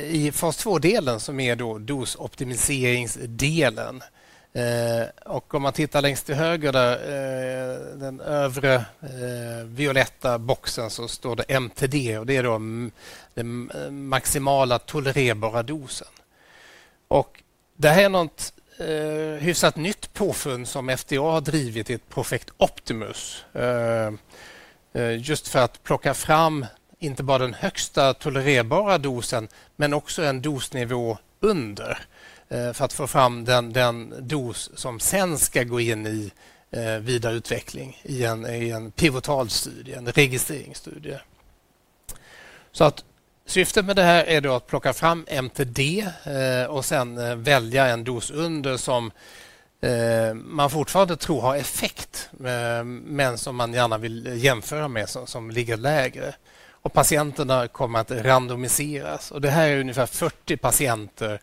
i fas 2-delen som är då dosoptimiseringsdelen. Och om man tittar längst till höger där, den övre violetta boxen så står det MTD, och det är då den maximala tolererbara dosen. Och det här är något hyfsat nytt påfund som FDA har drivit i ett projekt Optimus, just för att plocka fram inte bara den högsta tolererbara dosen, men också en dosnivå under, för att få fram den dos som sedan ska gå in i vidare utveckling i en pivotalstudie, en registreringsstudie. Så att syftet med det här är då att plocka fram MTD, och sedan välja en dos under som man fortfarande tror har effekt, men som man gärna vill jämföra med som ligger lägre. Och patienterna kommer att randomiseras. Och det här är ungefär 40 patienter.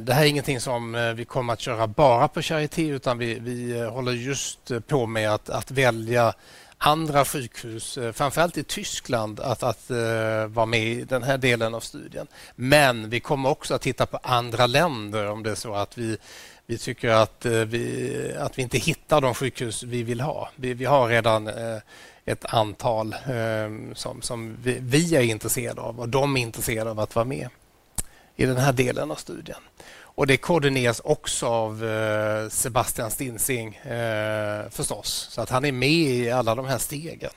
Det här är ingenting som vi kommer att köra bara på Charité, utan vi håller just på med att välja andra sjukhus, framför allt i Tyskland, att vara med i den här delen av studien. Men vi kommer också att titta på andra länder om det är så att vi tycker att vi inte hittar de sjukhus vi vill ha. Vi har redan ett antal som vi är intresserade av, och de är intresserade av att vara med i den här delen av studien. Och det koordineras också av Sebastian Stinsing, förstås, så att han är med i alla de här stegen.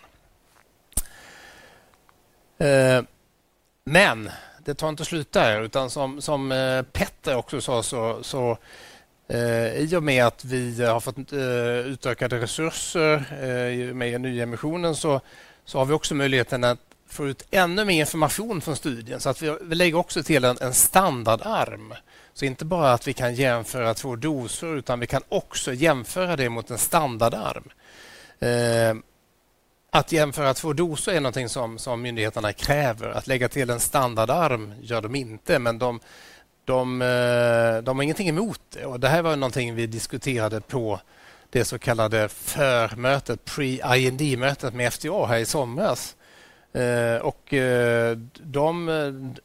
Men det tar inte slut där, utan som Petter också sa så i och med att vi har fått utökade resurser i och med den nya emissionen så har vi också möjligheten att få ut ännu mer information från studien. Vi lägger också till en standardarm. Inte bara att vi kan jämföra två doser, utan vi kan också jämföra det mot en standardarm. Att jämföra två doser är någonting som myndigheterna kräver. Att lägga till en standardarm gör de inte, men de har ingenting emot det. Det här var någonting vi diskuterade på det så kallade förmötet, pre-IND-mötet med FDA här i somras, och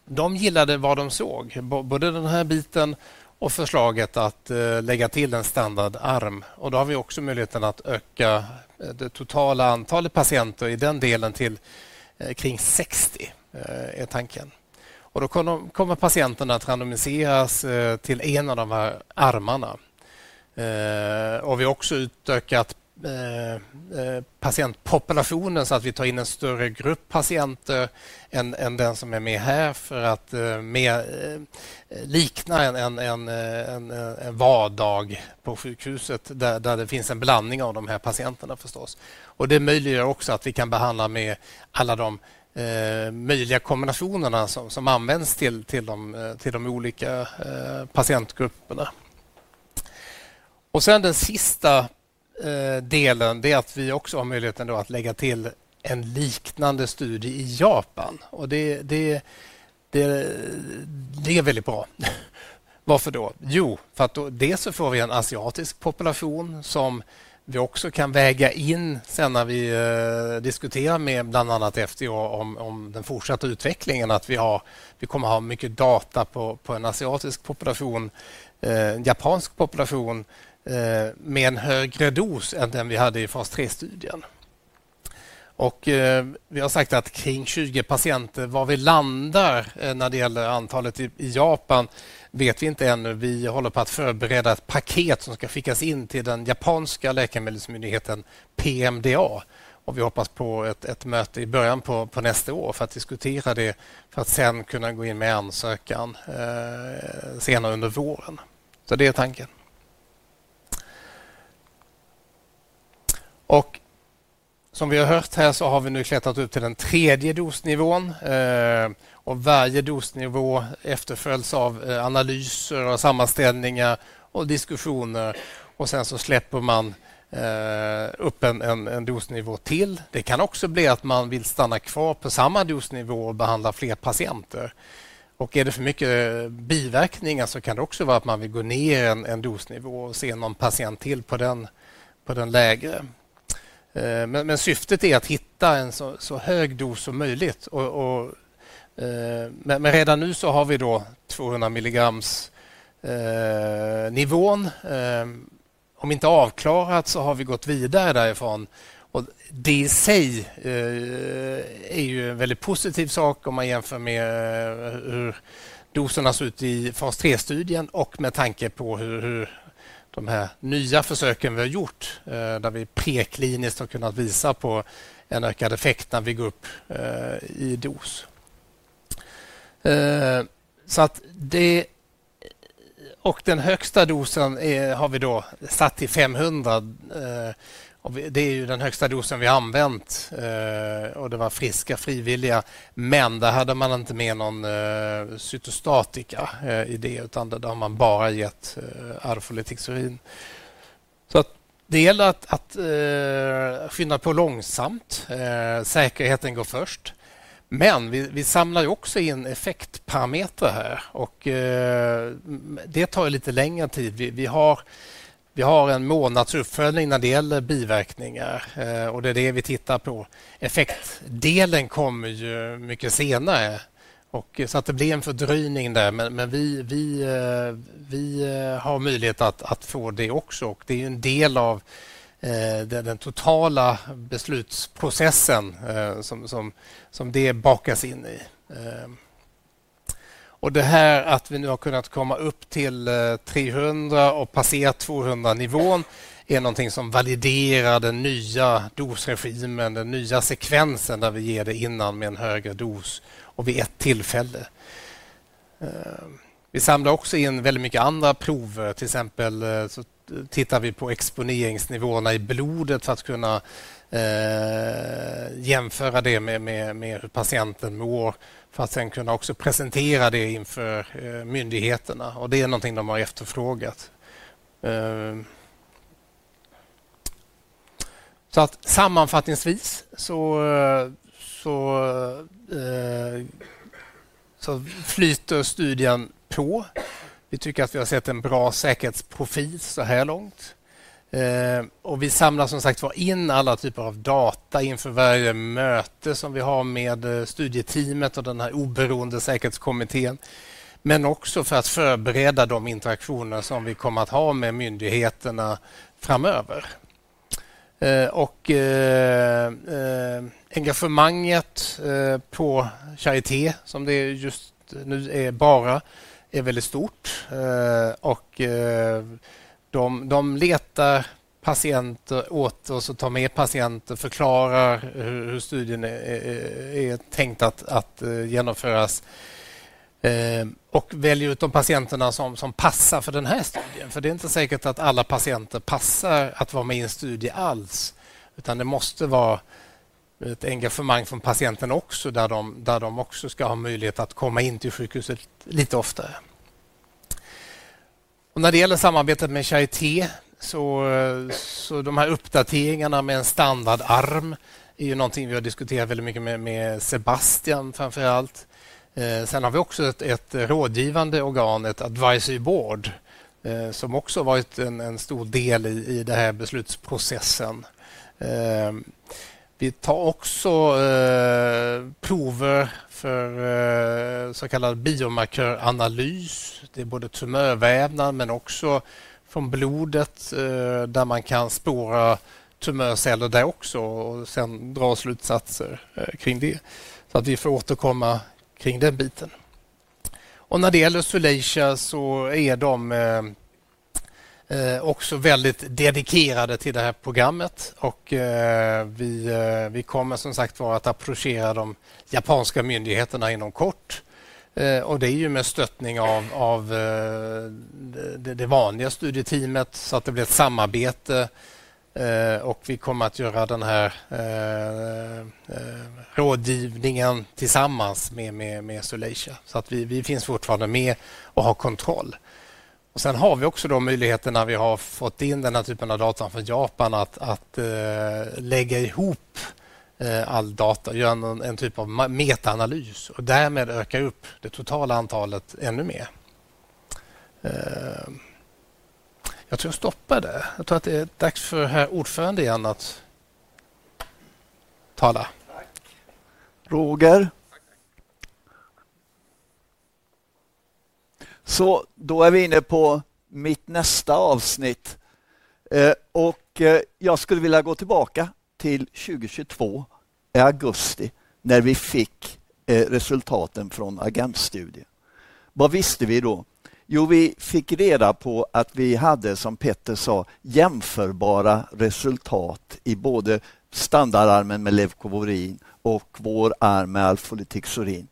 de gillade vad de såg, både den här biten och förslaget att lägga till en standardarm. Och då har vi också möjligheten att öka det totala antalet patienter i den delen till omkring 60, är tanken. Och då kommer patienterna att randomiseras till en av de här armarna. Vi har också utökat patientpopulationen så att vi tar in en större grupp patienter än den som är med här för att mer likna en vardag på sjukhuset där det finns en blandning av de här patienterna förstås. Det möjliggör också att vi kan behandla med alla de möjliga kombinationerna som används till de olika patientgrupperna. Sedan den sista delen, det är att vi också har möjligheten då att lägga till en liknande studie i Japan. Det är väldigt bra. Varför då? Jo, för att dels så får vi en asiatisk population som vi också kan väga in sedan när vi diskuterar med bland annat FDA om den fortsatta utvecklingen, att vi har vi kommer att ha mycket data på en asiatisk population, en japansk population med en högre dos än den vi hade i fas 3-studien. Vi har sagt att kring 20 patienter, var vi landar när det gäller antalet i Japan, vet vi inte ännu. Vi håller på att förbereda ett paket som ska skickas in till den japanska läkemedelsmyndigheten PMDA. Vi hoppas på ett möte i början på nästa år för att diskutera det, för att sedan kunna gå in med ansökan senare under våren. Så det är tanken. Som vi har hört här så har vi nu klättrat upp till den tredje dosnivån. Och varje dosnivå efterföljs av analyser och sammanställningar och diskussioner. Sedan släpper man upp en dosnivå till. Det kan också bli att man vill stanna kvar på samma dosnivå och behandla fler patienter. Är det för mycket biverkningar så kan det också vara att man vill gå ner en dosnivå och se någon patient till på den lägre. Men syftet är att hitta en så hög dos som möjligt. Men redan nu så har vi då 200 mg-nivån. Om inte avklarat så har vi gått vidare därifrån. Det i sig är ju en väldigt positiv sak om man jämför med hur doserna såg ut i fas 3-studien och med tanke på hur de här nya försöken vi har gjort, där vi prekliniskt har kunnat visa på en ökad effekt när vi går upp i dos. Så att det och den högsta dosen har vi då satt till 500. Det är ju den högsta dosen vi har använt, och det var friska frivilliga. Men där hade man inte med någon cytostatika i det, utan där har man bara gett Arfolitix urin. Så att det gäller att skynda på långsamt. Säkerheten går först. Men vi samlar ju också in effektparametrar här. Det tar ju lite längre tid. Vi har en månadsuppföljning när det gäller biverkningar, och det är det vi tittar på. Effektdelen kommer ju mycket senare, så att det blir en fördröjning där. Men vi har möjlighet att få det också. Det är ju en del av den totala beslutsprocessen som det bakas in i. Och det här att vi nu har kunnat komma upp till 300 och passera 200-nivån är någonting som validerar den nya dosregimen, den nya sekvensen där vi ger det innan med en högre dos och vid ett tillfälle. Vi samlar också in väldigt mycket andra prover. Till exempel så tittar vi på exponeringsnivåerna i blodet för att kunna jämföra det med hur patienten mår, för att sedan kunna också presentera det inför myndigheterna. Och det är någonting de har efterfrågat. Sammanfattningsvis så flyter studien på. Vi tycker att vi har sett en bra säkerhetsprofil så här långt. Och vi samlar som sagt var in alla typer av data inför varje möte som vi har med studieteamet och den här oberoende säkerhetskommittén. Men också för att förbereda de interaktioner som vi kommer att ha med myndigheterna framöver. Och engagemanget på Charité, som det just nu är bara, är väldigt stort. De letar patienter åt oss och tar med patienter, förklarar hur studien är tänkt att genomföras och väljer ut de patienter som passar för den här studien. För det är inte säkert att alla patienter passar att vara med i en studie alls. Utan det måste vara ett engagemang från patienten också, där de ska ha möjlighet att komma in till sjukhuset lite oftare. När det gäller samarbetet med Charité så de här uppdateringarna med en standardarm är någonting vi har diskuterat väldigt mycket med Sebastian framför allt. Sedan har vi också ett rådgivande organ, ett advisory board, som också har varit en stor del i den här beslutsprocessen. Vi tar också prover för så kallad biomarköranalys. Det är både tumörvävnad men också från blodet, där man kan spåra tumörceller där också, och sedan dra slutsatser kring det. Vi får återkomma kring den biten. När det gäller Zulejia så är de också väldigt dedikerade till det här programmet. Vi kommer som sagt att approchera de japanska myndigheterna inom kort, och det är ju med stöttning av det vanliga studieteamet, så att det blir ett samarbete. Vi kommer att göra den här rådgivningen tillsammans med Zulejia så att vi fortfarande finns med och har kontroll. Sedan har vi också de möjligheterna när vi har fått in den här typen av data från Japan att lägga ihop all data, göra en typ av metaanalys och därmed öka upp det totala antalet ännu mer. Jag tror jag stoppar där. Jag tror att det är dags för herr ordförande igen att tala. Tack, Roger. Tack, tack. Så då är vi inne på mitt nästa avsnitt, och jag skulle vilja gå tillbaka till 2022 i augusti när vi fick resultaten från agentstudien. Vad visste vi då? Jo, vi fick reda på att vi hade, som Petter sa, jämförbara resultat i både standardarmen med Leukovorin och vår arm med Arfolitixurin.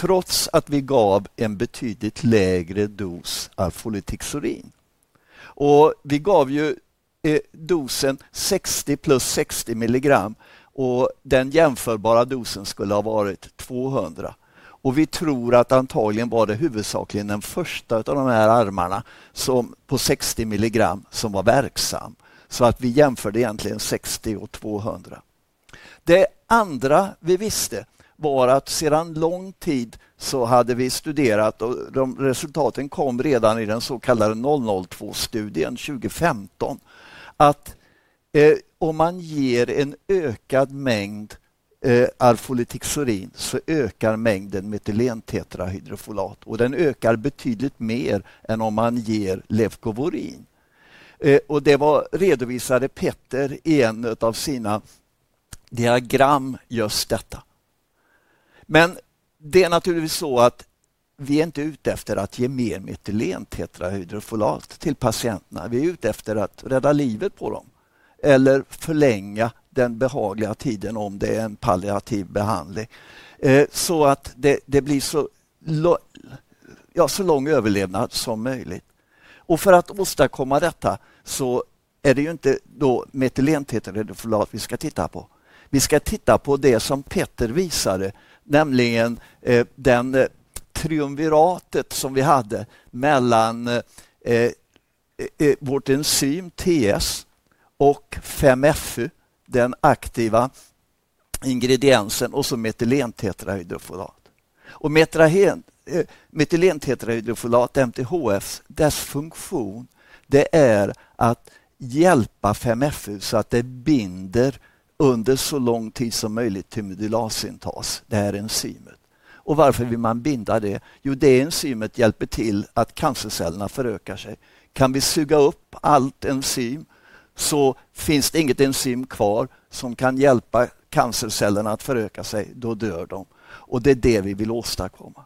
Trots att vi gav en betydligt lägre dos Arfolitixurin. Vi gav ju dosen 60 plus 60 mg, och den jämförbara dosen skulle ha varit 200. Vi tror att antagligen var det huvudsakligen den första av de här armarna som på 60 mg som var verksam. Så att vi jämförde egentligen 60 och 200. Det andra vi visste var att sedan lång tid så hade vi studerat, och de resultaten kom redan i den så kallade 002-studien 2015. Att om man ger en ökad mängd Arfolitix Urin så ökar mängden metylentetrahydrofolat. Den ökar betydligt mer än om man ger Levkovurin. Det var redovisade Petter i en av sina diagram just detta. Men det är naturligtvis så att vi är inte ute efter att ge mer metylentetrahydrofolat till patienterna. Vi är ute efter att rädda livet på dem. Eller förlänga den behagliga tiden om det är en palliativ behandling, så att det blir så lång överlevnad som möjligt. För att åstadkomma detta så är det ju inte metylentetrahydrofolat vi ska titta på. Vi ska titta på det som Petter visade. Nämligen triumviratet som vi hade mellan vårt enzym TS och 5FU, den aktiva ingrediensen och metylentetrahydrofolat. Metylentetrahydrofolat, MTHF, dess funktion det är att hjälpa 5FU så att det binder under så lång tid som möjligt till medylasyntas. Det är enzymet. Och varför vill man binda det? Jo, enzymet hjälper till att cancercellerna förökar sig. Kan vi suga upp allt enzym så finns det inget enzym kvar som kan hjälpa cancercellerna att föröka sig. Då dör de. Och det är det vi vill åstadkomma.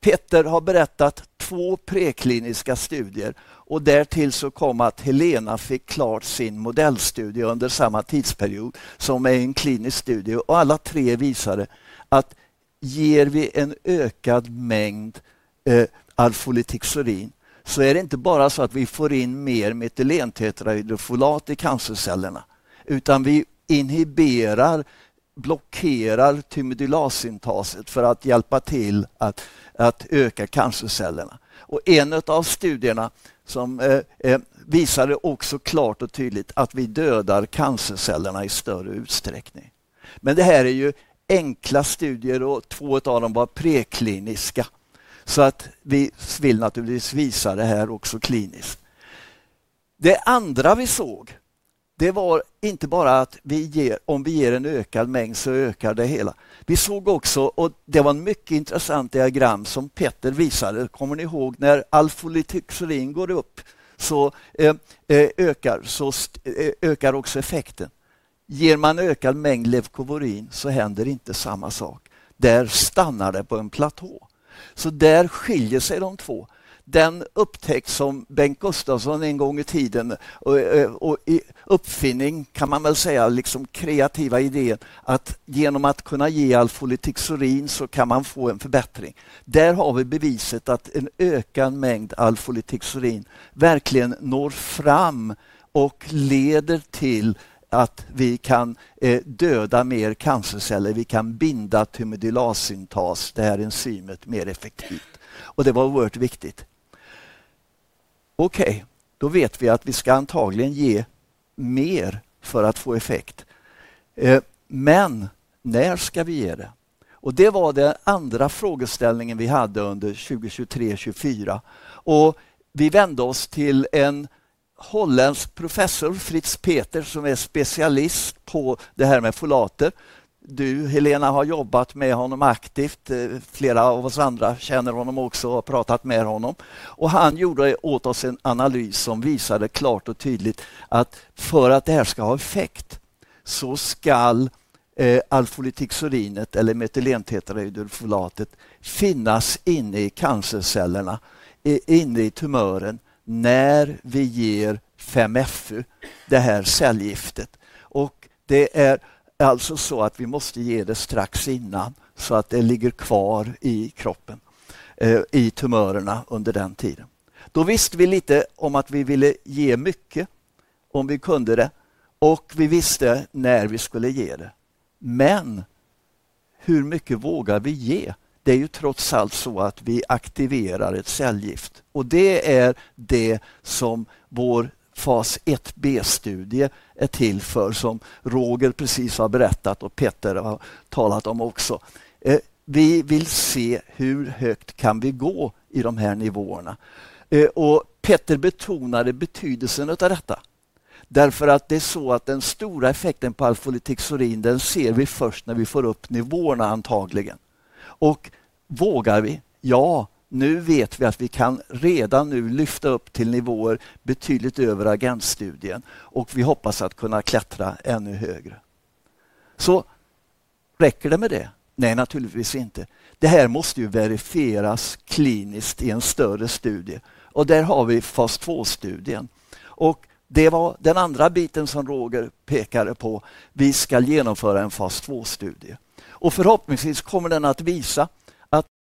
Petter har berättat två prekliniska studier. Och därtill så kom att Helena fick klart sin modellstudie under samma tidsperiod som är en klinisk studie. Alla tre visade att ger vi en ökad mängd Arfolitix Urin så är det inte bara så att vi får in mer metylentetrahydrofolat i cancercellerna. Utan vi inhiberar, blockerar trimedylasyntaset för att hjälpa till att öka cancercellerna. En av studierna visade också klart och tydligt att vi dödar cancercellerna i större utsträckning. Men det här är enkla studier och två av dem var prekliniska. Vi vill naturligtvis visa det här också kliniskt. Det andra vi såg, det var inte bara att om vi ger en ökad mängd så ökar det hela. Vi såg också, och det var ett mycket intressant diagram som Petter visade. Kommer ni ihåg när Arfolitix Urin går upp så ökar också effekten? Ger man ökad mängd Levkovorin så händer inte samma sak. Där stannar det på en platå. Där skiljer sig de två. Den upptäcktes som Bengt Gustafsson en gång i tiden. Uppfinningen kan man väl säga, liksom den kreativa idén att genom att kunna ge Arfolitix Urin så kan man få en förbättring. Där har vi beviset att en ökad mängd Arfolitix Urin verkligen når fram och leder till att vi kan döda mer cancerceller. Vi kan binda trimetylasynstas, det här enzymet, mer effektivt. Det var oerhört viktigt. Okej, då vet vi att vi ska antagligen ge mer för att få effekt. Men när ska vi ge det? Och det var den andra frågeställningen vi hade under 2023-2024. Och vi vände oss till en holländsk professor, Fritz Peter, som är specialist på det här med folater. Du, Helena, har jobbat med honom aktivt. Flera av oss andra känner honom också och har pratat med honom. Och han gjorde åt oss en analys som visade klart och tydligt att för att det här ska ha effekt så ska Arfolitix Urin, eller metylentetrahydrofolatet, finnas inne i cancercellerna, inne i tumören när vi ger 5FU, det här cellgiftet. Och det är alltså så att vi måste ge det strax innan så att det ligger kvar i kroppen, i tumörerna under den tiden. Då visste vi lite om att vi ville ge mycket om vi kunde det. Och vi visste när vi skulle ge det. Men hur mycket vågar vi ge? Det är ju trots allt så att vi aktiverar ett cellgift. Och det är det som vår fas 1B-studie är till för, som Roger precis har berättat och Petter har talat om också. Vi vill se hur högt kan vi gå i de här nivåerna. Och Petter betonade betydelsen av detta. Därför att det är så att den stora effekten på Arfolitix Urin, den ser vi först när vi får upp nivåerna antagligen. Och vågar vi? Ja, nu vet vi att vi kan redan nu lyfta upp till nivåer betydligt över agentstudien. Och vi hoppas att kunna klättra ännu högre. Så räcker det med det? Nej, naturligtvis inte. Det här måste ju verifieras kliniskt i en större studie. Och där har vi fas 2-studien. Och det var den andra biten som Roger pekade på. Vi ska genomföra en fas 2-studie. Förhoppningsvis kommer den att visa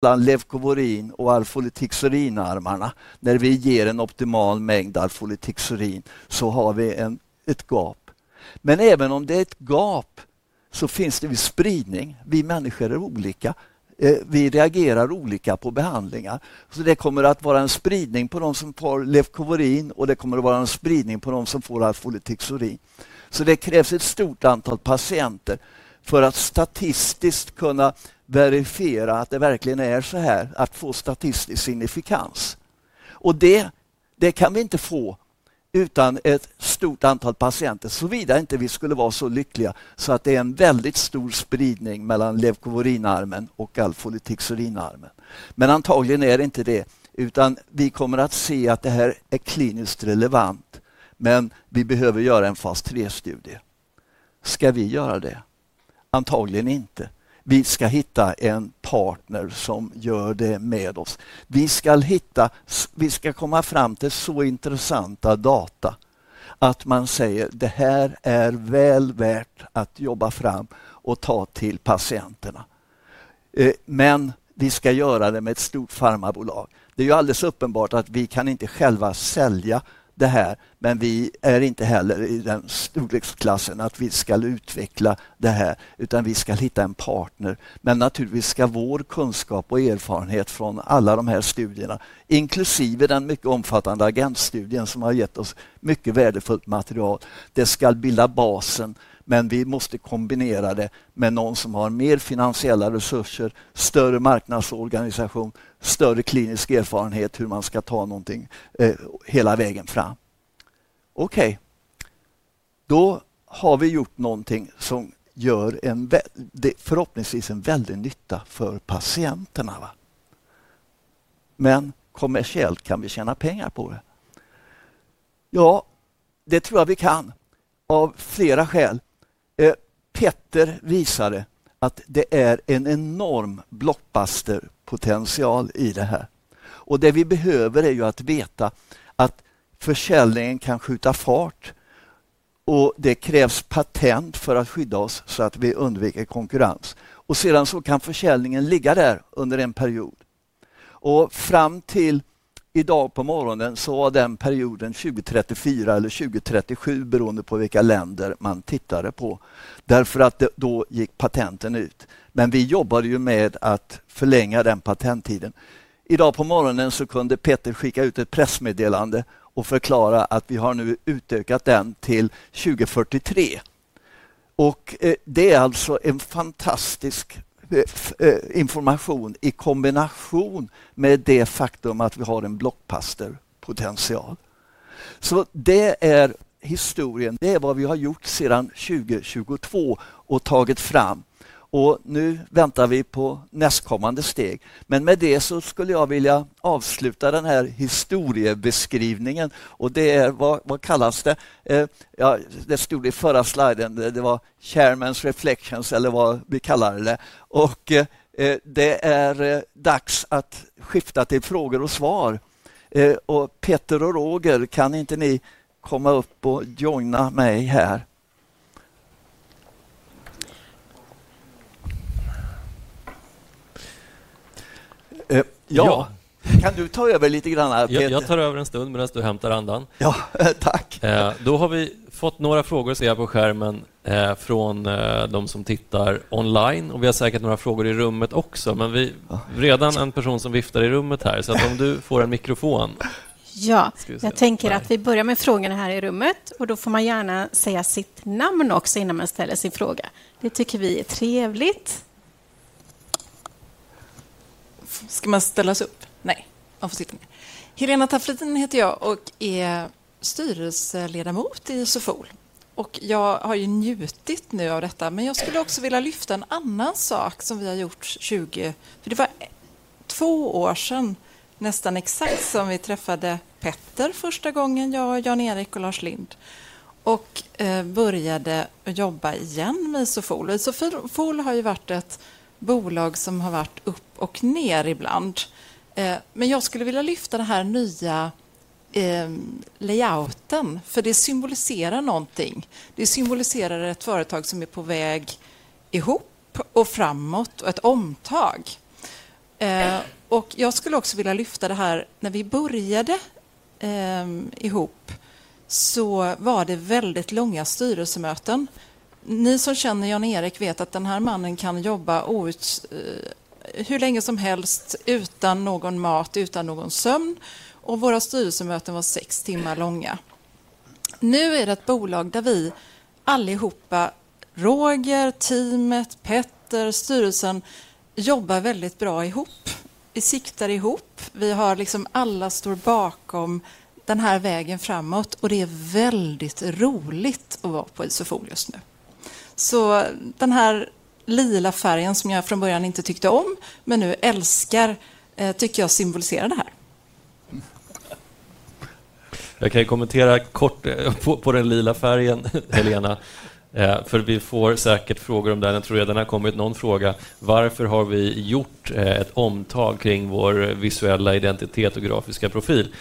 att mellan Levkovorin och Arfolitix Urin-armarna, när vi ger en optimal mängd Arfolitix Urin, så har vi ett gap. Men även om det är ett gap så finns det ju spridning. Vi människor är olika. Vi reagerar olika på behandlingar. Det kommer att vara en spridning på de som får Levkovorin, och det kommer att vara en spridning på de som får Arfolitix Urin. Det krävs ett stort antal patienter för att statistiskt kunna verifiera att det verkligen är så här, att få statistisk signifikans. Det kan vi inte få utan ett stort antal patienter. Såvida inte vi skulle vara så lyckliga så att det är en väldigt stor spridning mellan Levkovorin-armen och Arfolitix Urin-armen. Men antagligen är det inte det. Utan vi kommer att se att det här är kliniskt relevant. Men vi behöver göra en fas 3-studie. Ska vi göra det? Antagligen inte. Vi ska hitta en partner som gör det med oss. Vi ska hitta, vi ska komma fram till så intressanta data att man säger: "Det här är väl värt att jobba fram och ta till patienterna." Men vi ska göra det med ett stort pharmabolag. Det är ju alldeles uppenbart att vi kan inte själva sälja det här. Men vi är inte heller i den storleksklassen att vi ska utveckla det här. Utan vi ska hitta en partner. Men naturligtvis ska vår kunskap och erfarenhet från alla de här studierna, inklusive den mycket omfattande agentstudien som har gett oss mycket värdefullt material, det ska bilda basen. Men vi måste kombinera det med någon som har mer finansiella resurser, större marknadsorganisation, större klinisk erfarenhet, hur man ska ta någonting hela vägen fram. Okej. Då har vi gjort någonting som gör en, förhoppningsvis, en väldig nytta för patienterna. Men kommersiellt kan vi tjäna pengar på det? Ja, det tror jag vi kan. Av flera skäl. Petter visade att det är en enorm blockbuster-potential i det här. Det vi behöver är ju att veta att försäljningen kan skjuta fart. Det krävs patent för att skydda oss så att vi undviker konkurrens. Sedan så kan försäljningen ligga där under en period. Fram till idag på morgonen så var den perioden 2034 eller 2037, beroende på vilka länder man tittade på. Därför att då gick patenten ut. Men vi jobbade ju med att förlänga den patenttiden. Idag på morgonen så kunde Petter skicka ut ett pressmeddelande och förklara att vi har nu utökat den till 2043. Det är alltså en fantastisk information i kombination med det faktum att vi har en blockbuster-potential. Så det är historien. Det är vad vi har gjort sedan 2022 och tagit fram. Nu väntar vi på nästa steg. Men med det så skulle jag vilja avsluta den här historiebeskrivningen. Det är, vad kallas det? Ja, det stod i förra sliden. Det var Chairman's Reflections, eller vad vi kallade det. Det är dags att skifta till frågor och svar. Petter och Roger, kan inte ni komma upp och joina mig här? Ja. Kan du ta över lite grann här, Petter? Jag tar över en stund medan du hämtar andan. Ja, tack. Vi har fått några frågor att se här på skärmen från de som tittar online. Vi har säkert några frågor i rummet också. Men vi har redan en person som viftar i rummet här. Om du får en mikrofon. Ja, jag tänker att vi börjar med frågorna här i rummet. Och då får man gärna säga sitt namn också innan man ställer sin fråga. Det tycker vi är trevligt. Ska man ställa sig upp? Nej, man får sitta ner. Helena Tafridin heter jag och är styrelseledamot i SOFOL. Jag har ju njutit nu av detta. Men jag skulle också vilja lyfta en annan sak som vi har gjort 2020. För det var två år sedan nästan exakt som vi träffade Petter första gången. Jag och Jan-Erik och Lars Lind. Och började jobba igen med SOFOL. SOFOL har ju varit ett bolag som har varit upp och ner ibland, men jag skulle vilja lyfta den här nya layouten. För det symboliserar någonting. Det symboliserar ett företag som är på väg ihop och framåt. Ett omtag. Jag skulle också vilja lyfta det här. När vi började ihop så var det väldigt långa styrelsemöten. Ni som känner Jan-Erik vet att den här mannen kan jobba hur länge som helst utan någon mat, utan någon sömn. Våra styrelsemöten var sex timmar långa. Nu är det ett bolag där vi allihopa, Roger, teamet, Petter, styrelsen, jobbar väldigt bra ihop. Vi siktar ihop. Vi har liksom alla står bakom den här vägen framåt. Det är väldigt roligt att vara på ISOFOL just nu. Den här lila färgen som jag från början inte tyckte om, men nu älskar, tycker jag symboliserar det här. Jag kan ju kommentera kort på den lila färgen, Helena. Vi får säkert frågor om den. Jag tror redan har kommit någon fråga. Varför har vi gjort ett omtag kring vår visuella identitet och grafiska profil?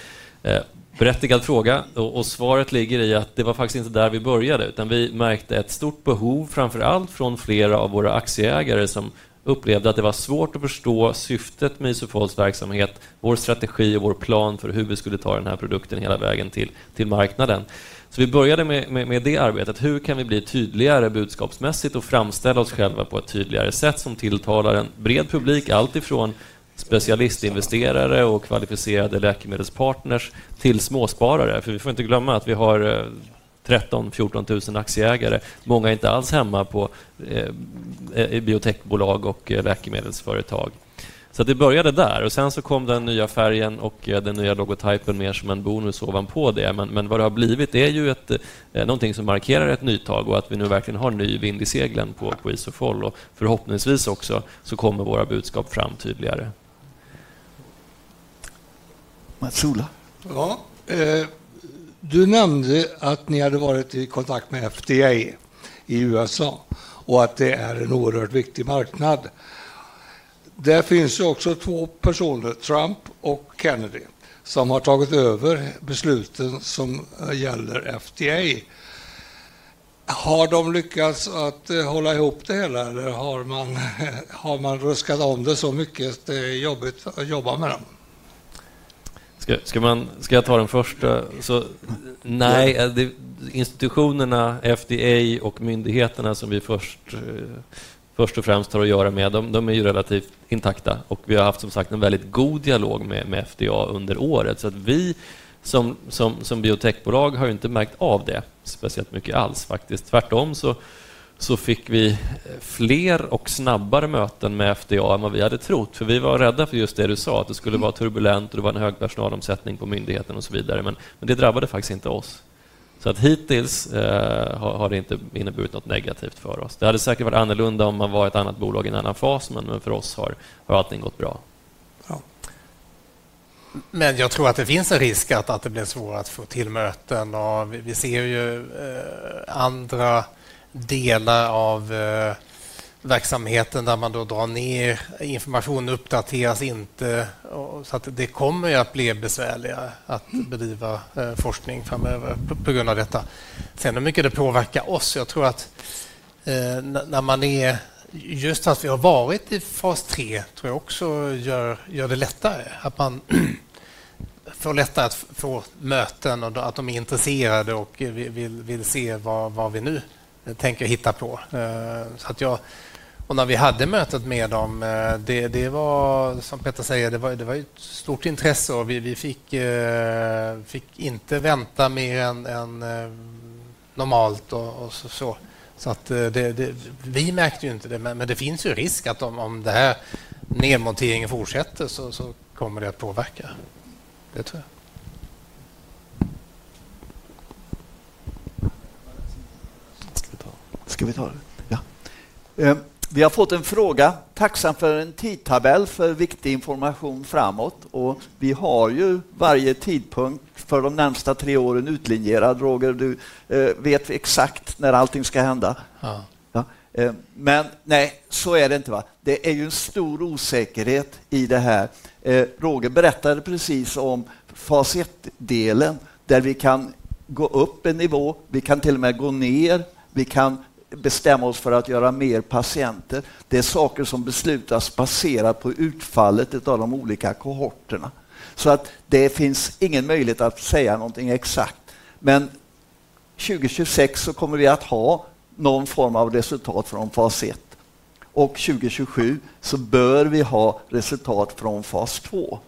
Berättigad fråga. Svaret ligger i att det var faktiskt inte där vi började. Utan vi märkte ett stort behov, framför allt från flera av våra aktieägare, som upplevde att det var svårt att förstå syftet med ISOFOLs verksamhet, vår strategi och vår plan för hur vi skulle ta den här produkten hela vägen till marknaden. Vi började med det arbetet. Hur kan vi bli tydligare budskapsmässigt och framställa oss själva på ett tydligare sätt som tilltalar en bred publik, alltifrån specialistinvesterare och kvalificerade läkemedelspartners till småsparare? Vi får inte glömma att vi har 13-14 000 aktieägare. Många är inte alls hemma på biotechbolag och läkemedelsföretag. Det började där. Sen så kom den nya färgen och den nya logotypen mer som en bonus ovanpå det. Men vad det har blivit är ju någonting som markerar ett nytag och att vi nu verkligen har ny vind i seglen på ISOFOL. Förhoppningsvis också så kommer våra budskap fram tydligare. Matsola. Ja, du nämnde att ni hade varit i kontakt med FDA i USA och att det är en oerhört viktig marknad. Där finns ju också två personer, Trump och Kennedy, som har tagit över besluten som gäller FDA. Har de lyckats att hålla ihop det hela? Eller har man ruskat om det så mycket att det är jobbigt att jobba med dem? Ska jag ta den första? Nej, institutionerna, FDA och myndigheterna som vi först och främst har att göra med, de är ju relativt intakta. Vi har haft som sagt en väldigt god dialog med FDA under året. Som biotechbolag har vi ju inte märkt av det speciellt mycket alls, faktiskt. Tvärtom så fick vi fler och snabbare möten med FDA än vad vi hade trott. För vi var rädda för just det du sa, att det skulle vara turbulent och det var en hög personalomsättning på myndigheten och så vidare. Men det drabbade faktiskt inte oss. Så hittills har det inte inneburit något negativt för oss. Det hade säkert varit annorlunda om man var ett annat bolag i en annan fas, men för oss har allting gått bra. Ja, men jag tror att det finns en risk att det blir svårt att få till möten. Vi ser ju andra delar av verksamheten där man då drar ner information, uppdateras inte. Så det kommer ju att bli besvärligare att bedriva forskning framöver på grund av detta. Sen hur mycket det påverkar oss, jag tror att när man är, just att vi har varit i fas 3, tror jag också gör det lättare. Att man får lättare att få möten och att de är intresserade och vill se vad vi nu tänker hitta på. Så att jag, och när vi hade mötet med dem, det var som Petter säger, det var ju ett stort intresse och vi fick inte vänta mer än normalt och så. Så att det vi märkte ju inte det, men det finns ju risk att om den här nedmonteringen fortsätter så kommer det att påverka. Det tror jag. Ska vi ta det? Ska vi ta det? Ja. Vi har fått en fråga. Tacksam för en tidtabell för viktig information framåt. Och vi har ju varje tidpunkt för de närmsta tre åren utlinjerad. Roger, du vet exakt när allting ska hända. Ja, ja. Men nej, så är det inte. Va? Det är ju en stor osäkerhet i det här. Roger berättade precis om fas 1-delen där vi kan gå upp en nivå, vi kan till och med gå ner, vi kan bestämma oss för att göra mer patienter. Det är saker som beslutas baserat på utfallet av de olika kohorterna. Det finns ingen möjlighet att säga någonting exakt. Men 2026 så kommer vi att ha någon form av resultat från fas 1. 2027 så bör vi ha resultat från fas 2.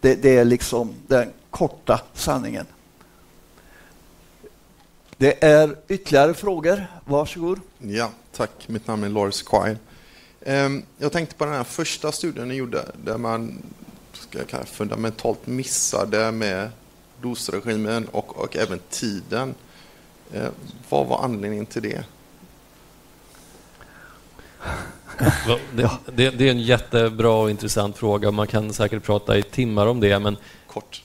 Det är liksom den korta sanningen. Det är ytterligare frågor. Varsågod. Ja, tack. Mitt namn är Loris Quine. Jag tänkte på den här första studien ni gjorde där man ska jag kalla fundamentalt missade med dosregimen och även tiden. Vad var anledningen till det? Det är en jättebra och intressant fråga. Man kan säkert prata i timmar om det, men kort.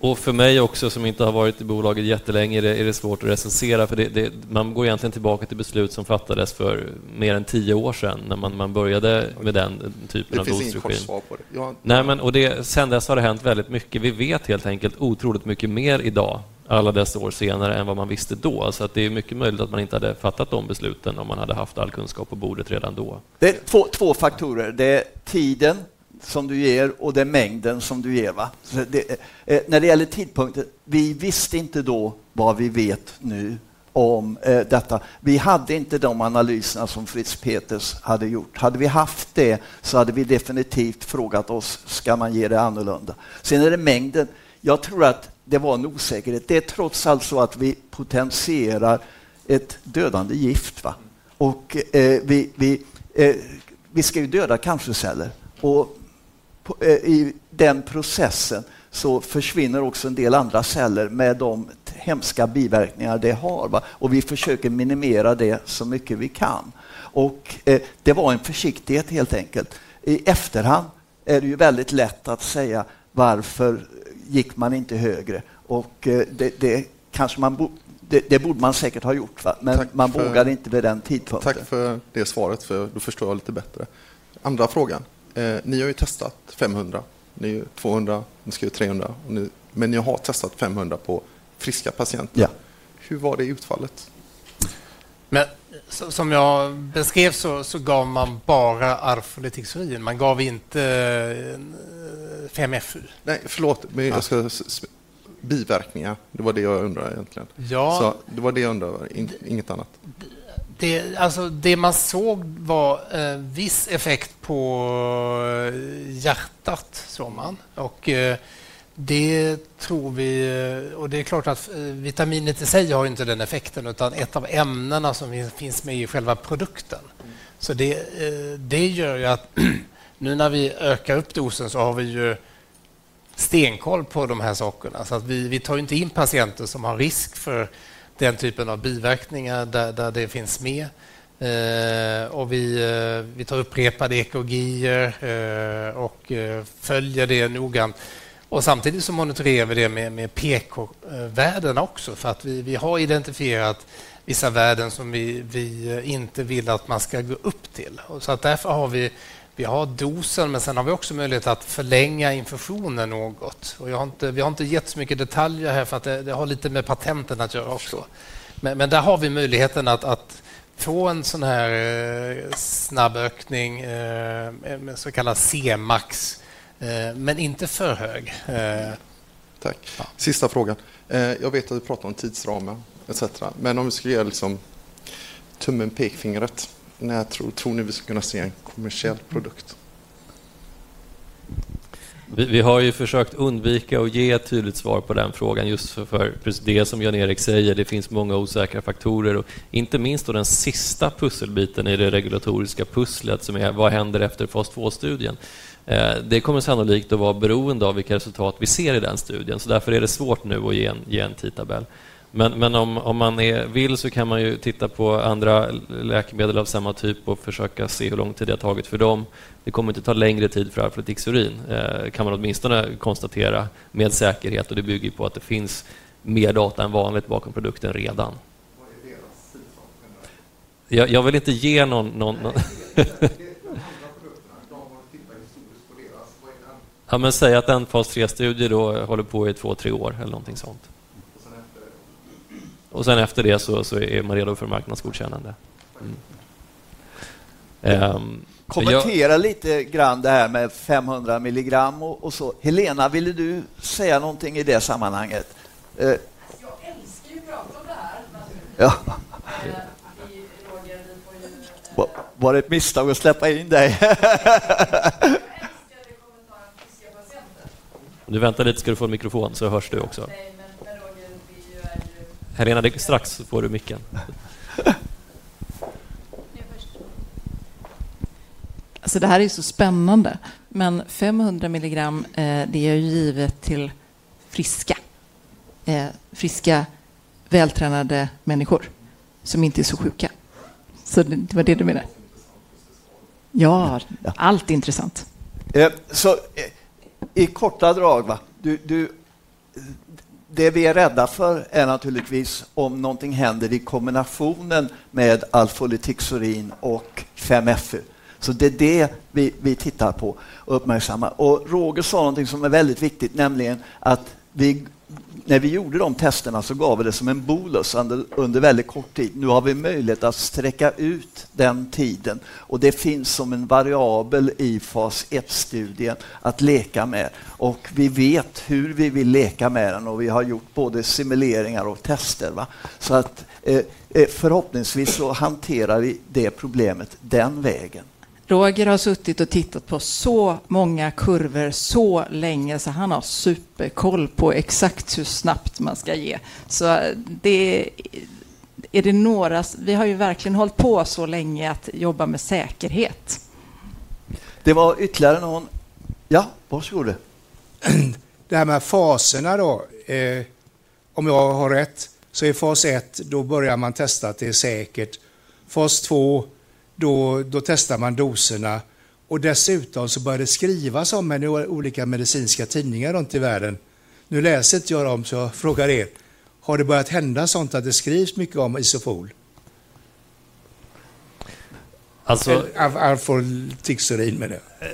Och för mig också som inte har varit i bolaget jättelänge är det svårt att recensera. För det man går egentligen tillbaka till beslut som fattades för mer än tio år sedan när man började med den typen av dosregimen. Men och det sen dess har det hänt väldigt mycket. Vi vet helt enkelt otroligt mycket mer idag, alla dessa år senare, än vad man visste då. Så det är mycket möjligt att man inte hade fattat de besluten om man hade haft all kunskap på bordet redan då. Det är två faktorer. Det är tiden som du ger och det är mängden som du ger. Så det är när det gäller tidpunkten. Vi visste inte då vad vi vet nu om detta. Vi hade inte de analyserna som Fritz Peters hade gjort. Hade vi haft det så hade vi definitivt frågat oss: "Ska man ge det annorlunda?" Sen är det mängden. Jag tror att det var en osäkerhet. Det är trots allt så att vi potenserar ett dödande gift. Och vi ska ju döda cancerceller. Och i den processen så försvinner också en del andra celler med de hemska biverkningar det har. Och vi försöker minimera det så mycket vi kan. Och det var en försiktighet helt enkelt. I efterhand är det ju väldigt lätt att säga: "Varför gick man inte högre?" Och det kanske man borde ha gjort. Men man vågade inte vid den tidpunkten. Tack för det svaret, för då förstår jag lite bättre. Andra frågan. Ni har ju testat 500. Ni är ju 200, ni ska ju 300. Och nu, men ni har testat 500 på friska patienter. Hur var det i utfallet? Men som jag beskrev så gav man bara arfolitiksurin. Man gav inte 5FU. Nej, förlåt, jag ska biverkningar. Det var det jag undrade egentligen. Ja, så det var det jag undrade över. Inget annat. Det alltså, det man såg var viss effekt på hjärtat, såg man. Det tror vi, och det är klart att vitaminet i sig har ju inte den effekten, utan ett av ämnena som finns med i själva produkten. Så det gör ju att nu när vi ökar upp dosen så har vi ju stenkoll på de här sakerna. Så att vi tar ju inte in patienter som har risk för den typen av biverkningar där det finns med. Vi tar upprepade ekologier och följer det noggrant. Samtidigt så monitorerar vi det med pekvärden också. För att vi har identifierat vissa värden som vi inte vill att man ska gå upp till. Därför har vi dosen, men sen har vi också möjlighet att förlänga infusionen något. Jag har inte, vi har inte gett så mycket detaljer här, för att det har lite med patenten att göra också. Men där har vi möjligheten att få en sådan här snabb ökning, med så kallad C-max, men inte för hög. Tack. Sista frågan. Jag vet att vi pratar om tidsramen etc. Men om vi ska ge liksom tummen och pekfingret, när tror ni vi ska kunna se en kommersiell produkt? Vi har ju försökt undvika att ge ett tydligt svar på den frågan, just för precis det som Jan-Erik säger. Det finns många osäkra faktorer. Och inte minst då den sista pusselbiten i det regulatoriska pusslet, som är vad händer efter fas 2-studien. Det kommer sannolikt att vara beroende av vilka resultat vi ser i den studien. Så därför är det svårt nu att ge en tidtabell. Men om man vill så kan man ju titta på andra läkemedel av samma typ och försöka se hur lång tid det har tagit för dem. Det kommer inte ta längre tid för arfolitiksurin, kan man åtminstone konstatera med säkerhet. Och det bygger ju på att det finns mer data än vanligt bakom produkten redan. Vad är deras sista? Jag vill inte ge någon... De andra produkterna, om man tittar historiskt på deras, vad är den? Men säg att den fas 3-studie då håller på i två, tre år eller någonting sånt. Och sen efter det? Och sen efter det så är man redo för marknadsgodkännande. Kommentera lite grann det här med 500 mg och så. Helena, ville du säga någonting i det sammanhanget? Jag älskar ju att prata om det här. Ja, vi får ju in... Var det ett misstag att släppa in dig? Jag älskar den kommentaren om friska patienter. Nu vänta lite, ska du få en mikrofon så hörs du också. Nej, men Roger, vi är ju... Helena, det är strax så får du micken. Nu först. Det här är ju så spännande. Men 500 mg, det är ju givet till friska, friska, vältränade människor som inte är så sjuka. Så det var det du menade. Ja, allt är intressant. Så i korta drag, va? Du, det vi är rädda för är naturligtvis om någonting händer i kombinationen med alfolitiksurin och 5FU. Så det är det vi tittar på och uppmärksammar. Och Roger sa någonting som är väldigt viktigt, nämligen att vi när vi gjorde de testerna så gav vi det som en bolus under väldigt kort tid. Nu har vi möjlighet att sträcka ut den tiden. Och det finns som en variabel i fas 1-studien att leka med. Och vi vet hur vi vill leka med den och vi har gjort både simuleringar och tester. Så att förhoppningsvis så hanterar vi det problemet den vägen. Roger har suttit och tittat på så många kurvor så länge så han har superkoll på exakt hur snabbt man ska ge. Så det är det några... Vi har ju verkligen hållit på så länge att jobba med säkerhet. Det var ytterligare någon... Ja, varsågod. Det här med faserna då. Om jag har rätt så är fas 1, då börjar man testa att det är säkert. Fas 2, då testar man doserna. Och dessutom så börjar det skrivas om med olika medicinska tidningar runt i världen. Nu läser inte jag dem, så jag frågar: Har det börjat hända sånt att det skrivs mycket om Isofol? Alltså, arfolitiksurin menar jag.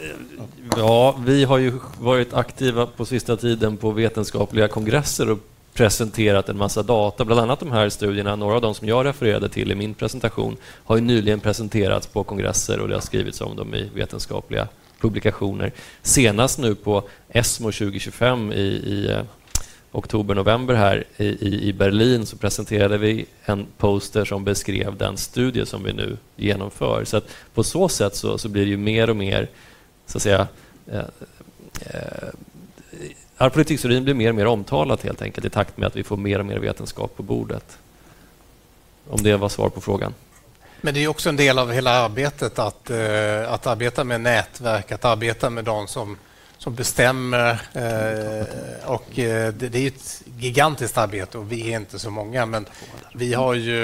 Ja, vi har ju varit aktiva på sista tiden på vetenskapliga kongresser och presenterat en massa data. Bland annat de här studierna, några av dem som jag refererade till i min presentation, har ju nyligen presenterats på kongresser och det har skrivits om dem i vetenskapliga publikationer. Senast nu på ESMO 2024 i oktober-november här i Berlin så presenterade vi en poster som beskrev den studie som vi nu genomför. Så på så sätt så blir det ju mer och mer, så att säga... Arfolitiksurin blir mer och mer omtalat helt enkelt i takt med att vi får mer och mer vetenskap på bordet. Om det var svar på frågan. Men det är ju också en del av hela arbetet att arbeta med nätverk, att arbeta med dem som bestämmer. Det är ju ett gigantiskt arbete och vi är inte så många. Men vi har ju,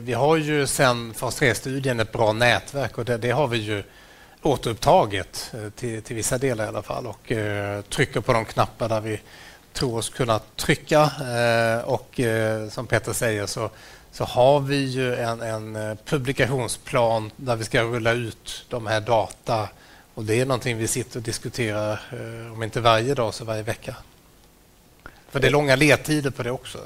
vi har ju sen fas 3-studien ett bra nätverk och det har vi ju återupptagit till vissa delar i alla fall och trycker på de knappar där vi tror oss kunna trycka. Som Petter säger så har vi ju en publikationsplan där vi ska rulla ut de här data. Det är någonting vi sitter och diskuterar, om inte varje dag så varje vecka. För det är långa ledtider på det också.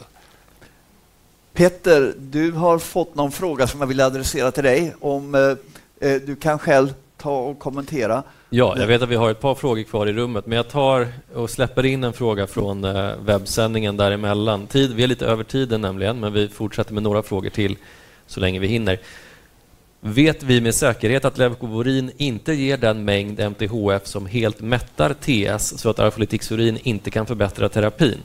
Petter, du har fått någon fråga som jag vill adressera till dig. Om du kan själv ta och kommentera. Ja, jag vet att vi har ett par frågor kvar i rummet, men jag tar och släpper in en fråga från webbsändningen däremellan. Vi är lite över tiden nämligen, men vi fortsätter med några frågor till så länge vi hinner. Vet vi med säkerhet att leukovorin inte ger den mängd MTHF som helt mättar TS så att arfolat inte kan förbättra terapin?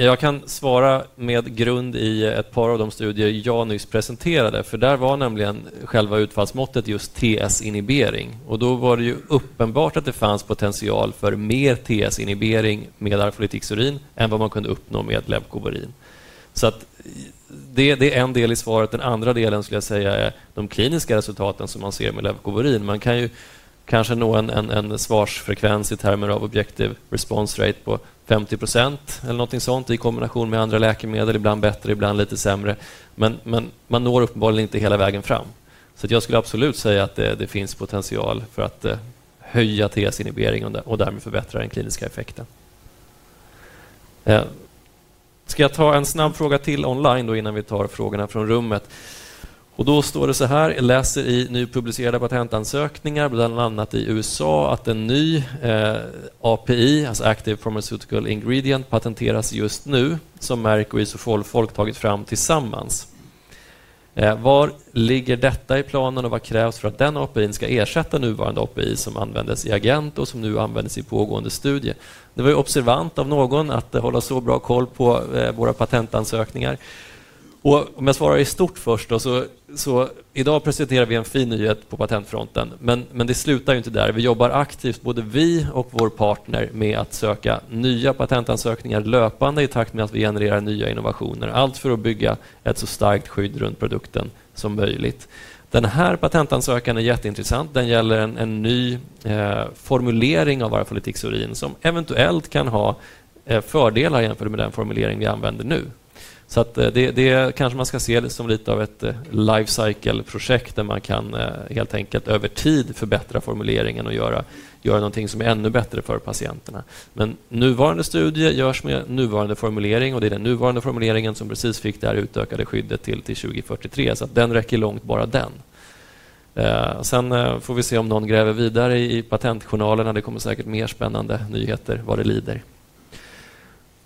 Jag kan svara med grund i ett par av de studier jag nyss presenterade, för där var nämligen själva utfallsmåttet just TS-inhibering. Då var det ju uppenbart att det fanns potential för mer TS-inhibering med arfolat än vad man kunde uppnå med leukovorin. Så det, det är en del i svaret. Den andra delen skulle jag säga är de kliniska resultaten som man ser med leukovorin. Man kan ju kanske nå en svarsfrekvens i termer av objective response rate på 50% eller någonting sånt i kombination med andra läkemedel, ibland bättre, ibland lite sämre. Men man når uppenbarligen inte hela vägen fram. Så att jag skulle absolut säga att det finns potential för att höja TS-inhibering och därmed förbättra den kliniska effekten. Ska jag ta en snabb fråga till online då innan vi tar frågorna från rummet? Då står det så här: Jag läser i nypublicerade patentansökningar, bland annat i USA, att en ny API, alltså Active Pharmaceutical Ingredient, patenteras just nu som Merck och Isofol folk tagit fram tillsammans. Var ligger detta i planen och vad krävs för att den API:n ska ersätta nuvarande API som användes i Agent och som nu användes i pågående studie? Det var ju observant av någon att hålla så bra koll på våra patentansökningar. Om jag svarar i stort först då så, så idag presenterar vi en fin nyhet på patentfronten. Men det slutar ju inte där. Vi jobbar aktivt, både vi och vår partner, med att söka nya patentansökningar löpande i takt med att vi genererar nya innovationer. Allt för att bygga ett så starkt skydd runt produkten som möjligt. Den här patentansökan är jätteintressant. Den gäller en ny formulering av arfolitiksurin som eventuellt kan ha fördelar jämfört med den formulering vi använder nu. Det kanske man ska se det som lite av ett life cycle-projekt där man kan helt enkelt över tid förbättra formuleringen och göra någonting som är ännu bättre för patienterna. Men nuvarande studie görs med nuvarande formulering och det är den nuvarande formuleringen som precis fick det här utökade skyddet till 2043. Den räcker långt, bara den. Sen får vi se om någon gräver vidare i patentjournalerna. Det kommer säkert mer spännande nyheter var det lider.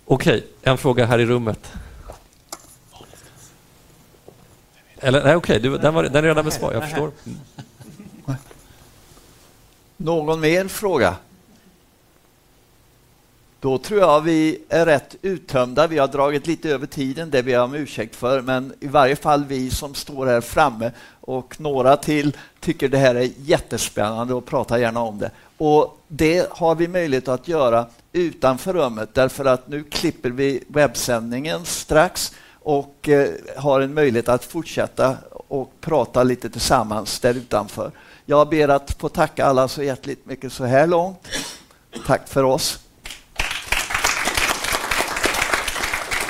Okej, en fråga här i rummet. Eller nej, okej, den var, den är redan besvarad, jag förstår. Någon mer fråga? Då tror jag vi är rätt uttömda. Vi har dragit lite över tiden det vi har med ursäkt för. Men i varje fall vi som står här framme och några till tycker det här är jättespännande och pratar gärna om det. Det har vi möjlighet att göra utanför rummet. Därför att nu klipper vi webbsändningen strax och har en möjlighet att fortsätta och prata lite tillsammans där utanför. Jag ber att få tacka alla så hjärtligt mycket så här långt. Tack för oss.